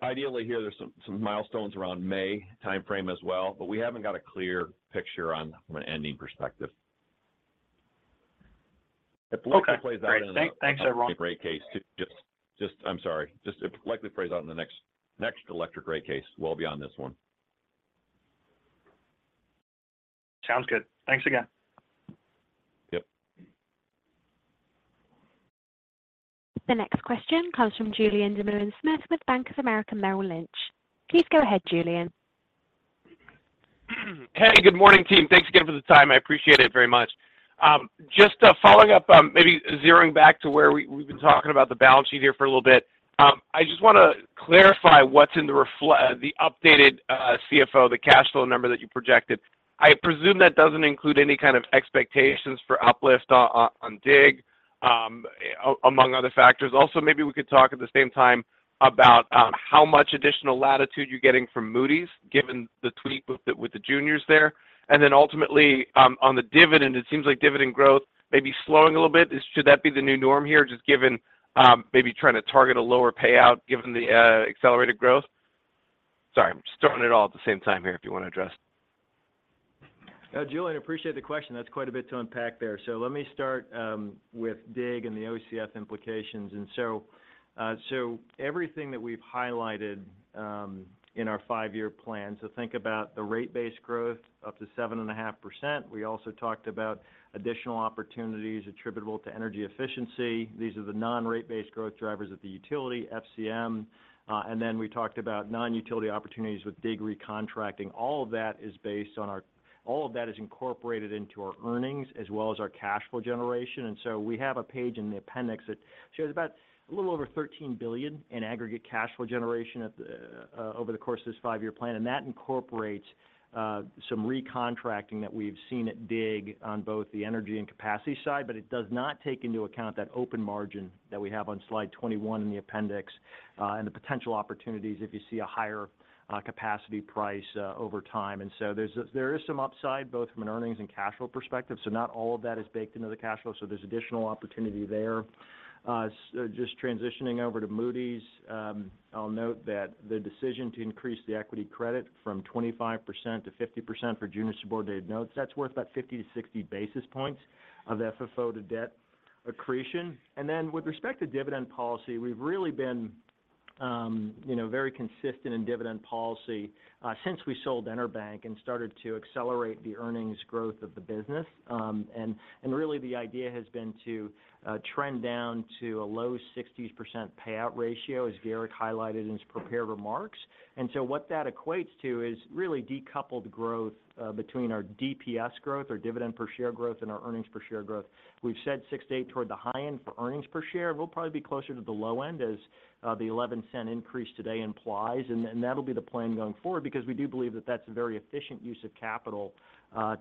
Ideally here, there's some milestones around May timeframe as well, but we haven't got a clear picture from an ending perspective. Okay. It likely plays out in the- Great. Thanks, everyone. rate case. Just, I'm sorry, it likely plays out in the next electric rate case, well beyond this one. Sounds good. Thanks again. Yep. The next question comes from Julian Dumoulin-Smith with Bank of America Merrill Lynch. Please go ahead, Julian. Hey, good morning, team. Thanks again for the time, I appreciate it very much. Just following up, maybe zooming back to where we, we've been talking about the balance sheet here for a little bit. I just wanna clarify what's in the updated OCF the cash flow number that you projected. I presume that doesn't include any kind of expectations for uplift on, on DIG, among other factors. Also, maybe we could talk at the same time about how much additional latitude you're getting from Moody's, given the tweak with the, with the juniors there. And then ultimately, on the dividend, it seems like dividend growth may be slowing a little bit. Should that be the new norm here, just given, maybe trying to target a lower payout, given the accelerated growth? Sorry, I'm just throwing it all at the same time here, if you wanna address. Julian, appreciate the question. That's quite a bit to unpack there. So let me start with DIG and the OCF implications. So everything that we've highlighted in our five-year plan, so think about the rate-based growth, up to 7.5%. We also talked about additional opportunities attributable to energy efficiency. These are the non-rate-based growth drivers of the utility, FCM. And then we talked about non-utility opportunities with DIG recontracting. All of that is based on our-- all of that is incorporated into our earnings as well as our cash flow generation. And so we have a page in the appendix that shows about a little over $13 billion in aggregate cash flow generation at the, over the course of this five-year plan, and that incorporates, some recontracting that we've seen at DIG on both the energy and capacity side, but it does not take into account that open margin that we have on slide 21 in the appendix, and the potential opportunities if you see a higher, capacity price, over time. And so there is some upside, both from an earnings and cash flow perspective, so not all of that is baked into the cash flow, so there's additional opportunity there. Just transitioning over to Moody's, I'll note that the decision to increase the equity credit from 25% to 50% for junior subordinated notes, that's worth about 50-60 basis points of the FFO to debt accretion. And then, with respect to dividend policy, we've really been, you know, very consistent in dividend policy, since we sold EnerBank and started to accelerate the earnings growth of the business. And really, the idea has been to trend down to a low 60s% payout ratio, as Garrick highlighted in his prepared remarks. And so what that equates to is really decoupled growth, between our DPS growth, our dividend per share growth, and our earnings per share growth. We've said 6-8 toward the high end for earnings per share. We'll probably be closer to the low end, as the $0.11 increase today implies. And then that'll be the plan going forward, because we do believe that that's a very efficient use of capital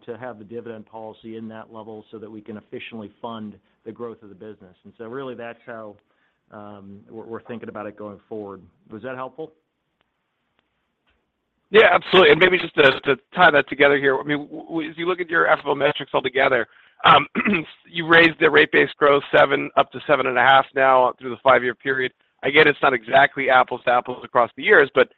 to have the dividend policy in that level, so that we can efficiently fund the growth of the business. And so really, that's how we're thinking about it going forward. Was that helpful? Yeah, absolutely. And maybe just to tie that together here, I mean, if you look at your FFO metrics altogether, you raised the rate-based growth 7 up to 7.5 now through the five-year period. I get it's not exactly apples to apples across the years, but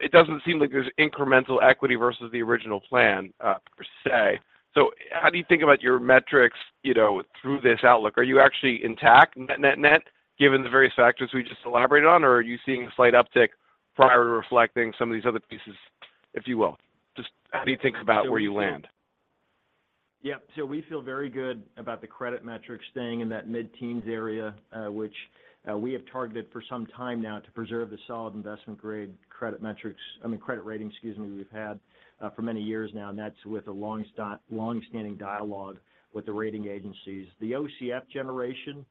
it doesn't seem like there's incremental equity versus the original plan, per se. So how do you think about your metrics, you know, through this outlook? Are you actually intact net, net, net, given the various factors we just elaborated on, or are you seeing a slight uptick prior to reflecting some of these other pieces, if you will? Just how do you think about where you land? Yep. So we feel very good about the credit metrics staying in that mid-teens area, which we have targeted for some time now to preserve the solid investment-grade credit metrics, I mean, credit rating, excuse me, we've had for many years now, and that's with a long-standing dialogue with the rating agencies. The OCF generation,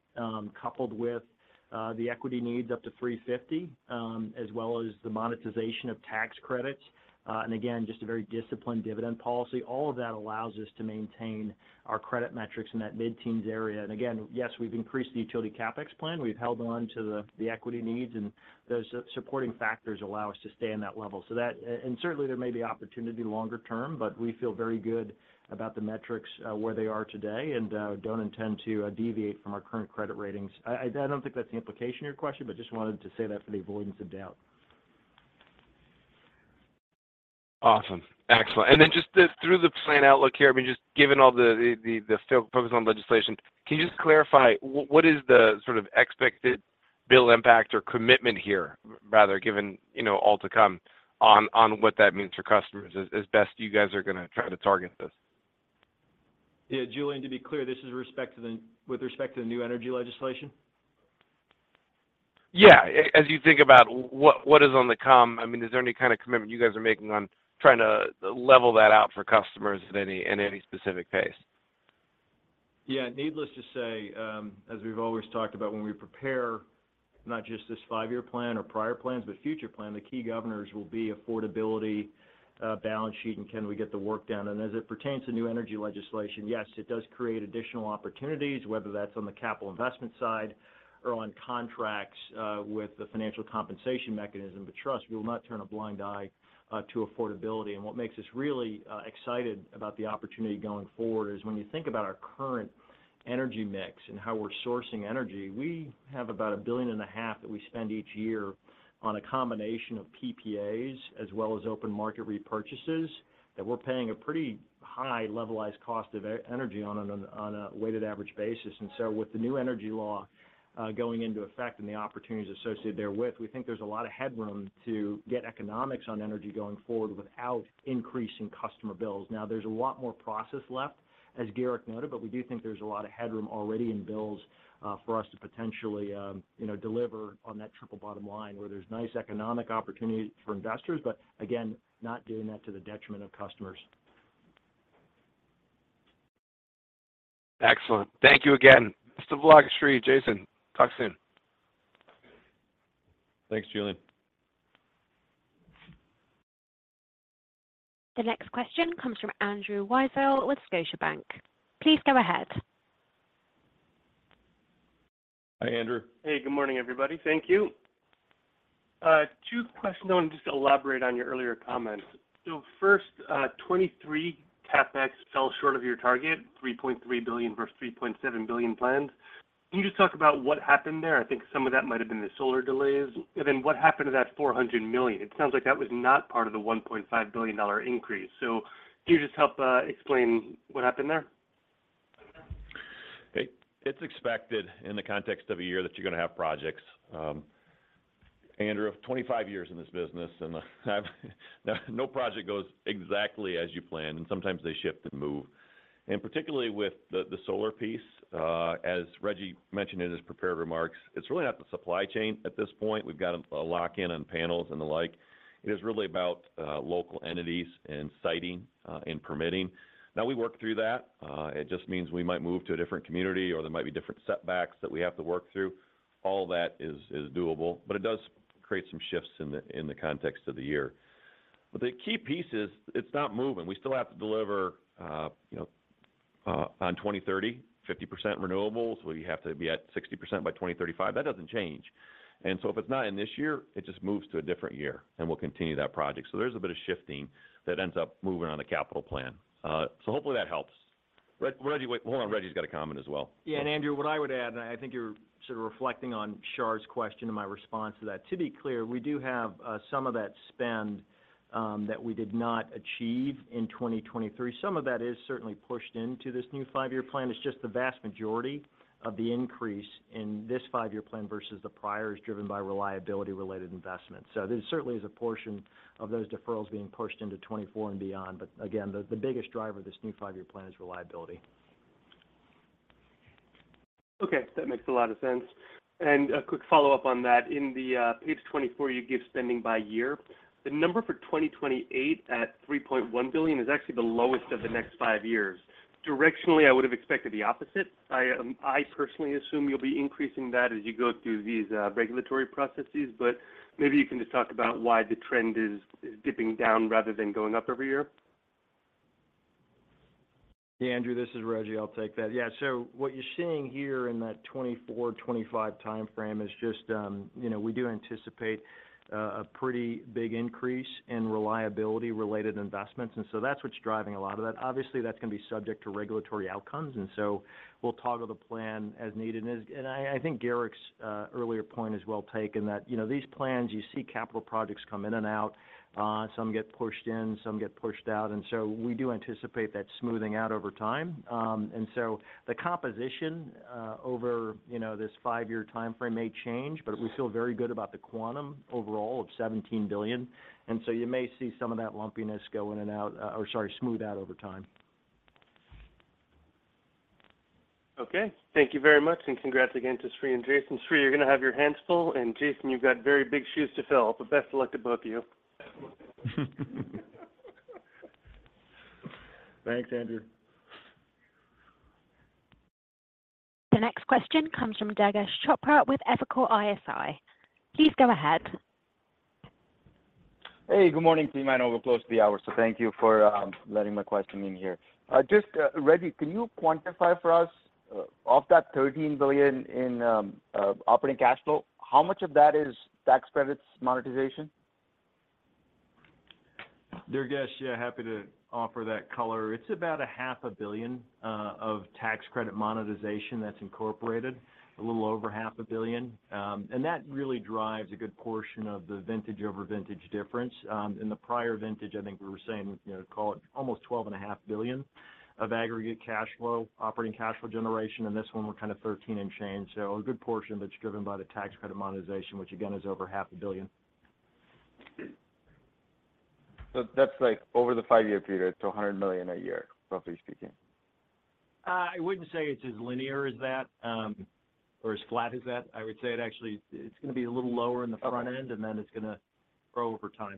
coupled with the equity needs up to $350 million, as well as the monetization of tax credits, and again, just a very disciplined dividend policy, all of that allows us to maintain our credit metrics in that mid-teens area. And again, yes, we've increased the utility CapEx plan. We've held on to the equity needs, and those supporting factors allow us to stay in that level. So that... And certainly there may be opportunity longer term, but we feel very good about the metrics, where they are today and don't intend to deviate from our current credit ratings. I don't think that's the implication of your question, but just wanted to say that for the avoidance of doubt. Awesome. Excellent. And then just through the plan outlook here, I mean, just given all the still focus on legislation, can you just clarify what is the sort of expected bill impact or commitment here, rather, given, you know, all to come, on what that means for customers as best you guys are gonna try to target this? Yeah, Julian, to be clear, this is with respect to the, with respect to the new energy legislation? Yeah. As you think about what is on the come, I mean, is there any kind of commitment you guys are making on trying to level that out for customers in any specific pace?... Yeah, needless to say, as we've always talked about when we prepare, not just this five-year plan or prior plans, but future plan, the key governors will be affordability, balance sheet, and can we get the work done? And as it pertains to new energy legislation, yes, it does create additional opportunities, whether that's on the capital investment side or on contracts with the financial compensation mechanism. But trust, we will not turn a blind eye to affordability. And what makes us really excited about the opportunity going forward is when you think about our current energy mix and how we're sourcing energy, we have about $1.5 billion that we spend each year on a combination of PPAs, as well as open market repurchases, that we're paying a pretty high levelized cost of energy on a weighted average basis. And so with the new energy law going into effect and the opportunities associated therewith, we think there's a lot of headroom to get economics on energy going forward without increasing customer bills. Now, there's a lot more process left, as Garrick noted, but we do think there's a lot of headroom already in bills for us to potentially, you know, deliver on that triple bottom line, where there's nice economic opportunity for investors, but again, not doing that to the detriment of customers. Excellent. Thank you again. Mr. Rochow, Sri, Jason, talk soon. Thanks, Julian. The next question comes from Andrew Weisel with Scotiabank. Please go ahead. Hi, Andrew. Hey, good morning, everybody. Thank you. Two questions. I want to just elaborate on your earlier comments. So first, 2023 CapEx fell short of your target, $3.3 billion versus $3.7 billion planned. Can you just talk about what happened there? I think some of that might have been the solar delays. And then what happened to that $400 million? It sounds like that was not part of the $1.5 billion increase. So can you just help explain what happened there? It's expected in the context of a year that you're going to have projects. Andrew, of 25 years in this business, and I've no project goes exactly as you plan, and sometimes they shift and move. And particularly with the solar piece, as Rejji mentioned in his prepared remarks, it's really not the supply chain at this point. We've got a lock in on panels and the like. It is really about local entities and siting and permitting. Now, we work through that. It just means we might move to a different community, or there might be different setbacks that we have to work through. All that is doable, but it does create some shifts in the context of the year. But the key piece is, it's not moving. We still have to deliver, you know, on 2030, 50% renewables. We have to be at 60% by 2035. That doesn't change. And so if it's not in this year, it just moves to a different year, and we'll continue that project. So there's a bit of shifting that ends up moving on the capital plan. So hopefully that helps. Rejji, wait, hold on, Rejji's got a comment as well. Yeah, Andrew, what I would add, and I think you're sort of reflecting on Shar's question and my response to that. To be clear, we do have some of that spend that we did not achieve in 2023. Some of that is certainly pushed into this new five-year plan. It's just the vast majority of the increase in this five-year plan versus the prior is driven by reliability-related investments. So there certainly is a portion of those deferrals being pushed into 2024 and beyond. But again, the biggest driver of this new five-year plan is reliability. Okay, that makes a lot of sense. And a quick follow-up on that. In the page 24, you give spending by year. The number for 2028 at $3.1 billion is actually the lowest of the next 5 years. Directionally, I would have expected the opposite. I personally assume you'll be increasing that as you go through these regulatory processes, but maybe you can just talk about why the trend is dipping down rather than going up every year. Yeah, Andrew, this is Rejji. I'll take that. Yeah, so what you're seeing here in that 2024-2025 time frame is just, you know, we do anticipate a pretty big increase in reliability-related investments, and so that's what's driving a lot of that. Obviously, that's going to be subject to regulatory outcomes, and so we'll toggle the plan as needed. And I think Garrick's earlier point is well taken, that, you know, these plans, you see capital projects come in and out, some get pushed in, some get pushed out, and so we do anticipate that smoothing out over time. And so the composition over, you know, this five-year timeframe may change, but we feel very good about the quantum overall of $17 billion, and so you may see some of that lumpiness go in and out, or sorry, smooth out over time. Okay. Thank you very much, and congrats again to Sri and Jason. Sri, you're going to have your hands full, and Jason, you've got very big shoes to fill, but best of luck to both of you. Thanks, Andrew. The next question comes from Durgesh Chopra with Evercore ISI. Please go ahead. Hey, good morning to you. I know we're close to the hour, so thank you for letting my question in here. Just, Rejji, can you quantify for us, of that $13 billion in operating cash flow, how much of that is tax credits monetization? Durgesh, yeah, happy to offer that color. It's about $500 million of tax credit monetization that's incorporated, a little over $500 million. And that really drives a good portion of the vintage over vintage difference. In the prior vintage, I think we were saying, you know, call it almost $12.5 billion of aggregate cash flow, operating cash flow generation, and this one we're kind of $13 billion and change. So a good portion of it's driven by the tax credit monetization, which again, is over $500 million. That's like over the five-year period, so $100 million a year, roughly speaking? I wouldn't say it's as linear as that, or as flat as that. I would say it actually, it's going to be a little lower in the front end, and then it's going to grow over time. ...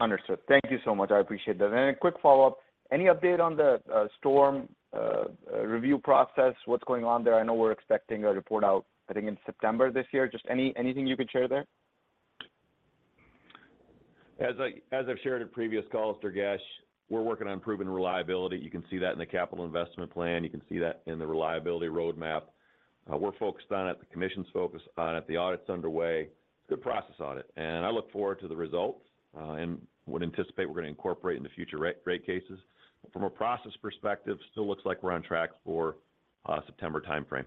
Understood. Thank you so much. I appreciate that. And then a quick follow-up: any update on the storm review process? What's going on there? I know we're expecting a report out, I think, in September this year. Just anything you could share there? As I've shared in previous calls, Durgesh, we're working on improving reliability. You can see that in the capital investment plan. You can see that in the reliability roadmap. We're focused on it, the commission's focused on it, the audit's underway. It's a good process audit, and I look forward to the results, and would anticipate we're going to incorporate in the future rate cases. But from a process perspective, still looks like we're on track for a September timeframe.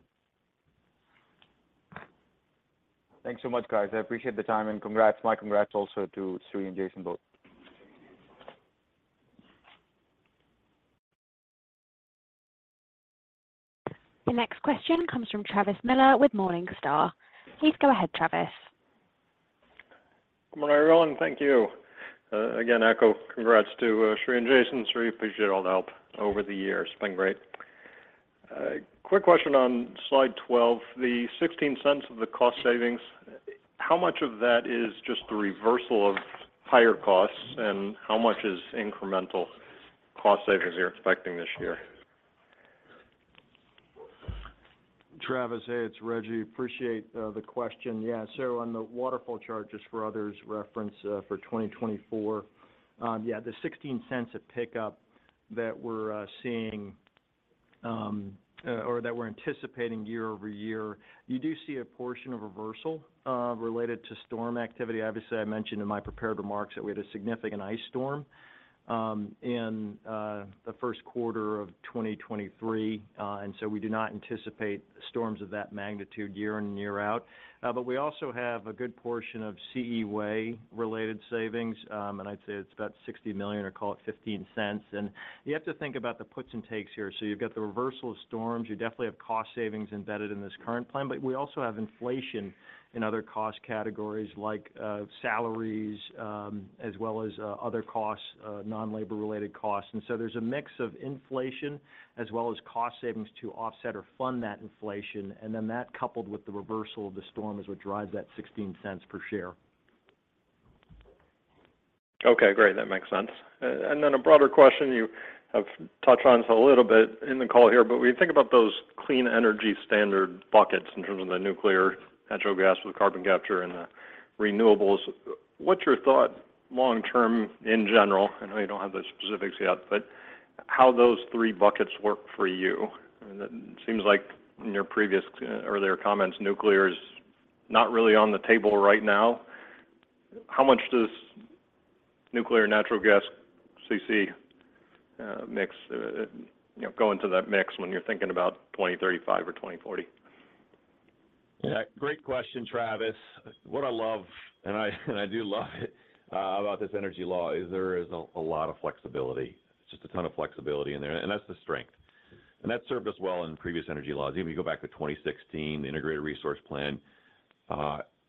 Thanks so much, guys. I appreciate the time, and congrats. My congrats also to Sri and Jason both. The next question comes from Travis Miller with Morningstar. Please go ahead, Travis. Good morning, everyone, thank you. Again, echo congrats to Sri and Jason. Sri, appreciate all the help over the years. It's been great. A quick question on slide 12. The $0.16 of the cost savings, how much of that is just the reversal of higher costs, and how much is incremental cost savings you're expecting this year? Travis, hey, it's Rejji. Appreciate the question. Yeah, so on the waterfall charges for others' reference, for 2024, yeah, the $0.16 of pickup that we're seeing, or that we're anticipating year-over-year, you do see a portion of reversal related to storm activity. Obviously, I mentioned in my prepared remarks that we had a significant ice storm in the first quarter of 2023. And so we do not anticipate storms of that magnitude year in and year out. But we also have a good portion of CE Way-related savings, and I'd say it's about $60 million, or call it $0.15. And you have to think about the puts and takes here. So you've got the reversal of storms, you definitely have cost savings embedded in this current plan, but we also have inflation in other cost categories like salaries, as well as other costs, non-labor related costs. And so there's a mix of inflation as well as cost savings to offset or fund that inflation, and then that, coupled with the reversal of the storm, is what drives that $0.16 per share. Okay, great. That makes sense. And then a broader question you have touched on this a little bit in the call here, but when you think about those clean energy standard buckets in terms of the nuclear, natural gas with carbon capture, and the renewables, what's your thought long term in general? I know you don't have the specifics yet, but how those three buckets work for you? And it seems like in your previous, earlier comments, nuclear is not really on the table right now. How much does nuclear, natural gas, CC, mix, you know, go into that mix when you're thinking about 2035 or 2040? Yeah, great question, Travis. What I love, and I, and I do love it, about this energy law is there is a lot of flexibility. Just a ton of flexibility in there, and that's the strength. And that served us well in previous energy laws. Even if you go back to 2016, the Integrated Resource Plan,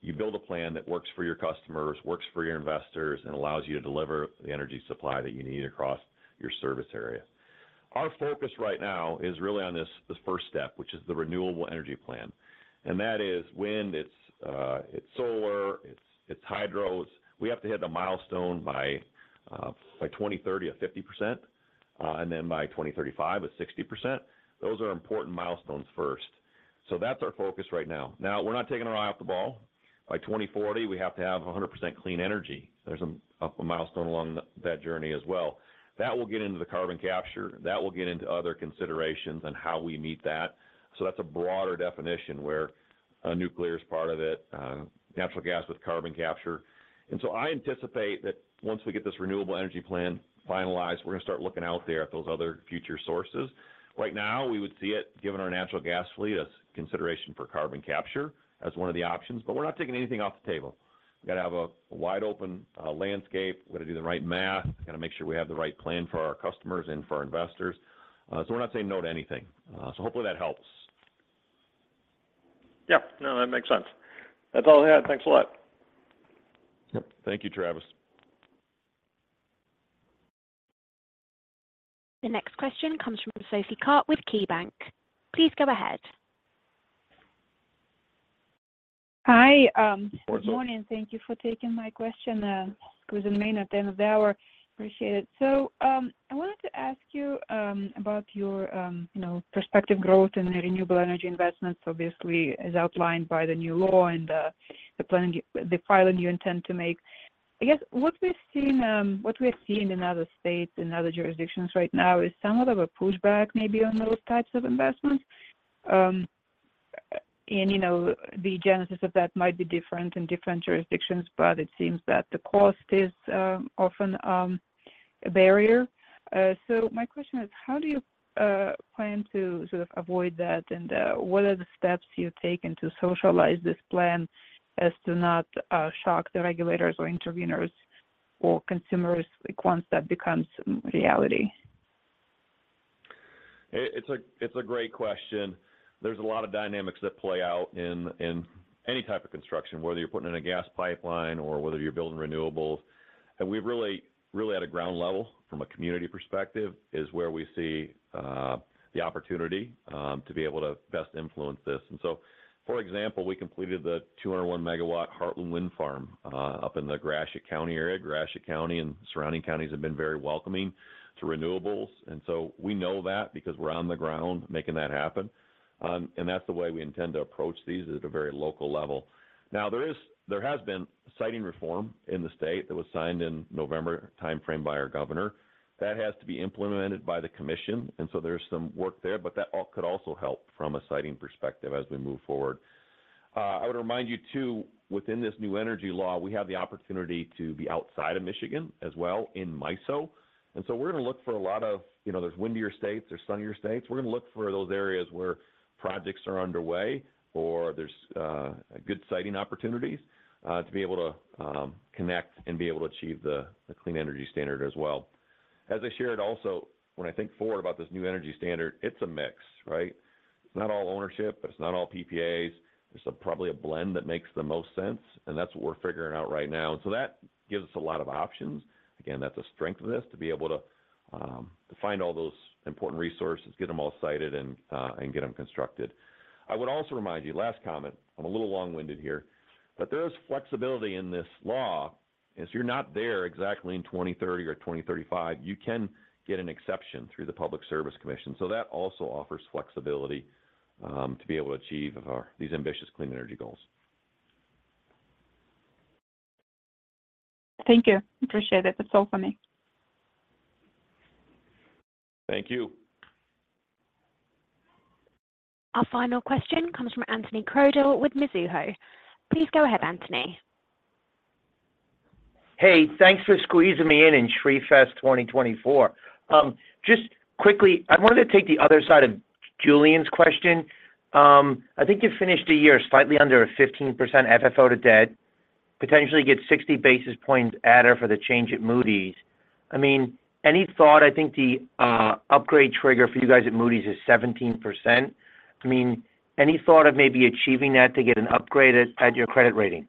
you build a plan that works for your customers, works for your investors, and allows you to deliver the energy supply that you need across your service area. Our focus right now is really on this, this first step, which is the Renewable Energy Plan, and that is wind, it's, it's solar, it's, it's hydro. It's... We have to hit a milestone by, by 2030, of 50%, and then by 2035, of 60%. Those are important milestones first. So that's our focus right now. Now, we're not taking our eye off the ball. By 2040, we have to have 100% clean energy. There's a milestone along that journey as well. That will get into the carbon capture, that will get into other considerations on how we meet that. So that's a broader definition where nuclear is part of it, natural gas with carbon capture. And so I anticipate that once we get this renewable energy plan finalized, we're going to start looking out there at those other future sources. Right now, we would see it, given our natural gas fleet, as consideration for carbon capture as one of the options, but we're not taking anything off the table. We've got to have a wide-open landscape. We've got to do the right math. We've got to make sure we have the right plan for our customers and for our investors. So we're not saying no to anything. So hopefully that helps. Yeah. No, that makes sense. That's all I had. Thanks a lot. Yep. Thank you, Travis. The next question comes from Sophie Karp with KeyBanc. Please go ahead. Hi, um- Good morning. Good morning, thank you for taking my question, it was the main at the end of the hour. Appreciate it. So, I wanted to ask you about your, you know, prospective growth in the renewable energy investments. Obviously, as outlined by the new law and, the plan, the filing you intend to make. I guess what we're seeing, what we're seeing in other states and other jurisdictions right now is somewhat of a pushback maybe on those types of investments. And, you know, the genesis of that might be different in different jurisdictions, but it seems that the cost is, often, a barrier. My question is: how do you plan to sort of avoid that, and what are the steps you've taken to socialize this plan as to not shock the regulators or interveners or consumers, like, once that becomes reality? It's a great question. There's a lot of dynamics that play out in any type of construction, whether you're putting in a gas pipeline or whether you're building renewables. And we've really at a ground level, from a community perspective, is where we see the opportunity to be able to best influence this. And so, for example, we completed the 201 megawatt Heartland Wind Farm up in the Gratiot County area. Gratiot County and surrounding counties have been very welcoming to renewables, and so we know that because we're on the ground making that happen. And that's the way we intend to approach these, is at a very local level. Now, there has been siting reform in the state that was signed in November timeframe by our governor. That has to be implemented by the commission, and so there's some work there, but that also could help from a siting perspective as we move forward. I would remind you, too, within this new energy law, we have the opportunity to be outside of Michigan as well, in MISO. And so we're going to look for a lot of... You know, there's windier states, there's sunnier states. We're going to look for those areas where projects are underway, or there's a good siting opportunities, to be able to connect and be able to achieve the clean energy standard as well. As I shared also, when I think forward about this new energy standard, it's a mix, right? It's not all ownership, it's not all PPAs. It's probably a blend that makes the most sense, and that's what we're figuring out right now. And so that gives us a lot of options. Again, that's a strength of this, to be able to find all those important resources, get them all sited, and get them constructed. I would also remind you, last comment, I'm a little long-winded here, but there is flexibility in this law. If you're not there exactly in 2030 or 2035, you can get an exception through the Public Service Commission. So that also offers flexibility, to be able to achieve our these ambitious clean energy goals. Thank you. Appreciate it. That's all for me. Thank you. Our final question comes from Anthony Crowdell with Mizuho. Please go ahead, Anthony. Hey, thanks for squeezing me in, in Sri Fest 2024. Just quickly, I wanted to take the other side of Julian's question. I think you finished the year slightly under a 15% FFO to debt, potentially get sixty basis points adder for the change at Moody's. I mean, any thought... I think the upgrade trigger for you guys at Moody's is 17%. I mean, any thought of maybe achieving that to get an upgrade at your credit rating?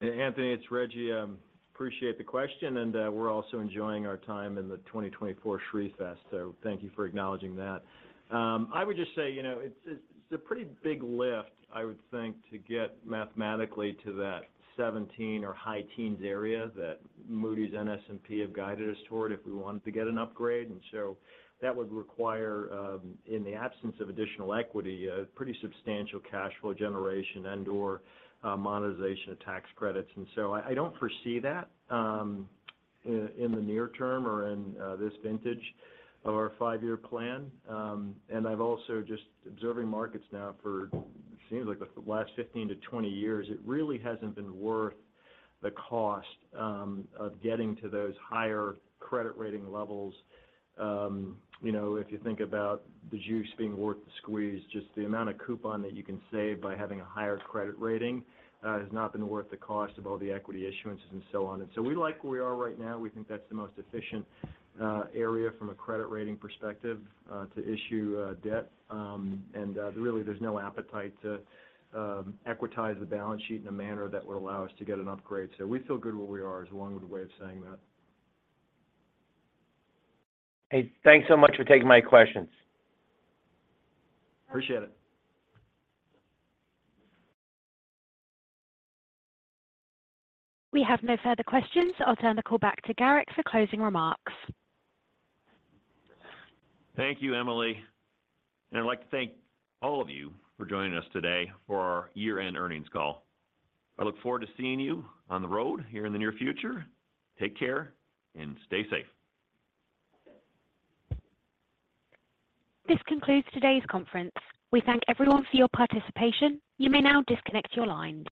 Anthony, it's Rejji. Appreciate the question, and, we're also enjoying our time in the 2024 Sri Fest, so thank you for acknowledging that. I would just say, you know, it's a, it's a pretty big lift, I would think, to get mathematically to that 17 or high teens area that Moody's and S&P have guided us toward if we wanted to get an upgrade. And so that would require, in the absence of additional equity, a pretty substantial cash flow generation and/or, monetization of tax credits. And so I, I don't foresee that, in, in the near term or in, this vintage of our five-year plan. And I've also just observing markets now for, seems like the last 15-20 years, it really hasn't been worth the cost, of getting to those higher credit rating levels. You know, if you think about the juice being worth the squeeze, just the amount of coupon that you can save by having a higher credit rating has not been worth the cost of all the equity issuances and so on. And so we like where we are right now. We think that's the most efficient area from a credit rating perspective to issue debt. And really, there's no appetite to equitize the balance sheet in a manner that would allow us to get an upgrade. So we feel good where we are, is a long-winded way of saying that. Hey, thanks so much for taking my questions. Appreciate it. We have no further questions. I'll turn the call back to Garrick for closing remarks. Thank you, Emily, and I'd like to thank all of you for joining us today for our year-end earnings call. I look forward to seeing you on the road here in the near future. Take care and stay safe. This concludes today's conference. We thank everyone for your participation. You may now disconnect your line.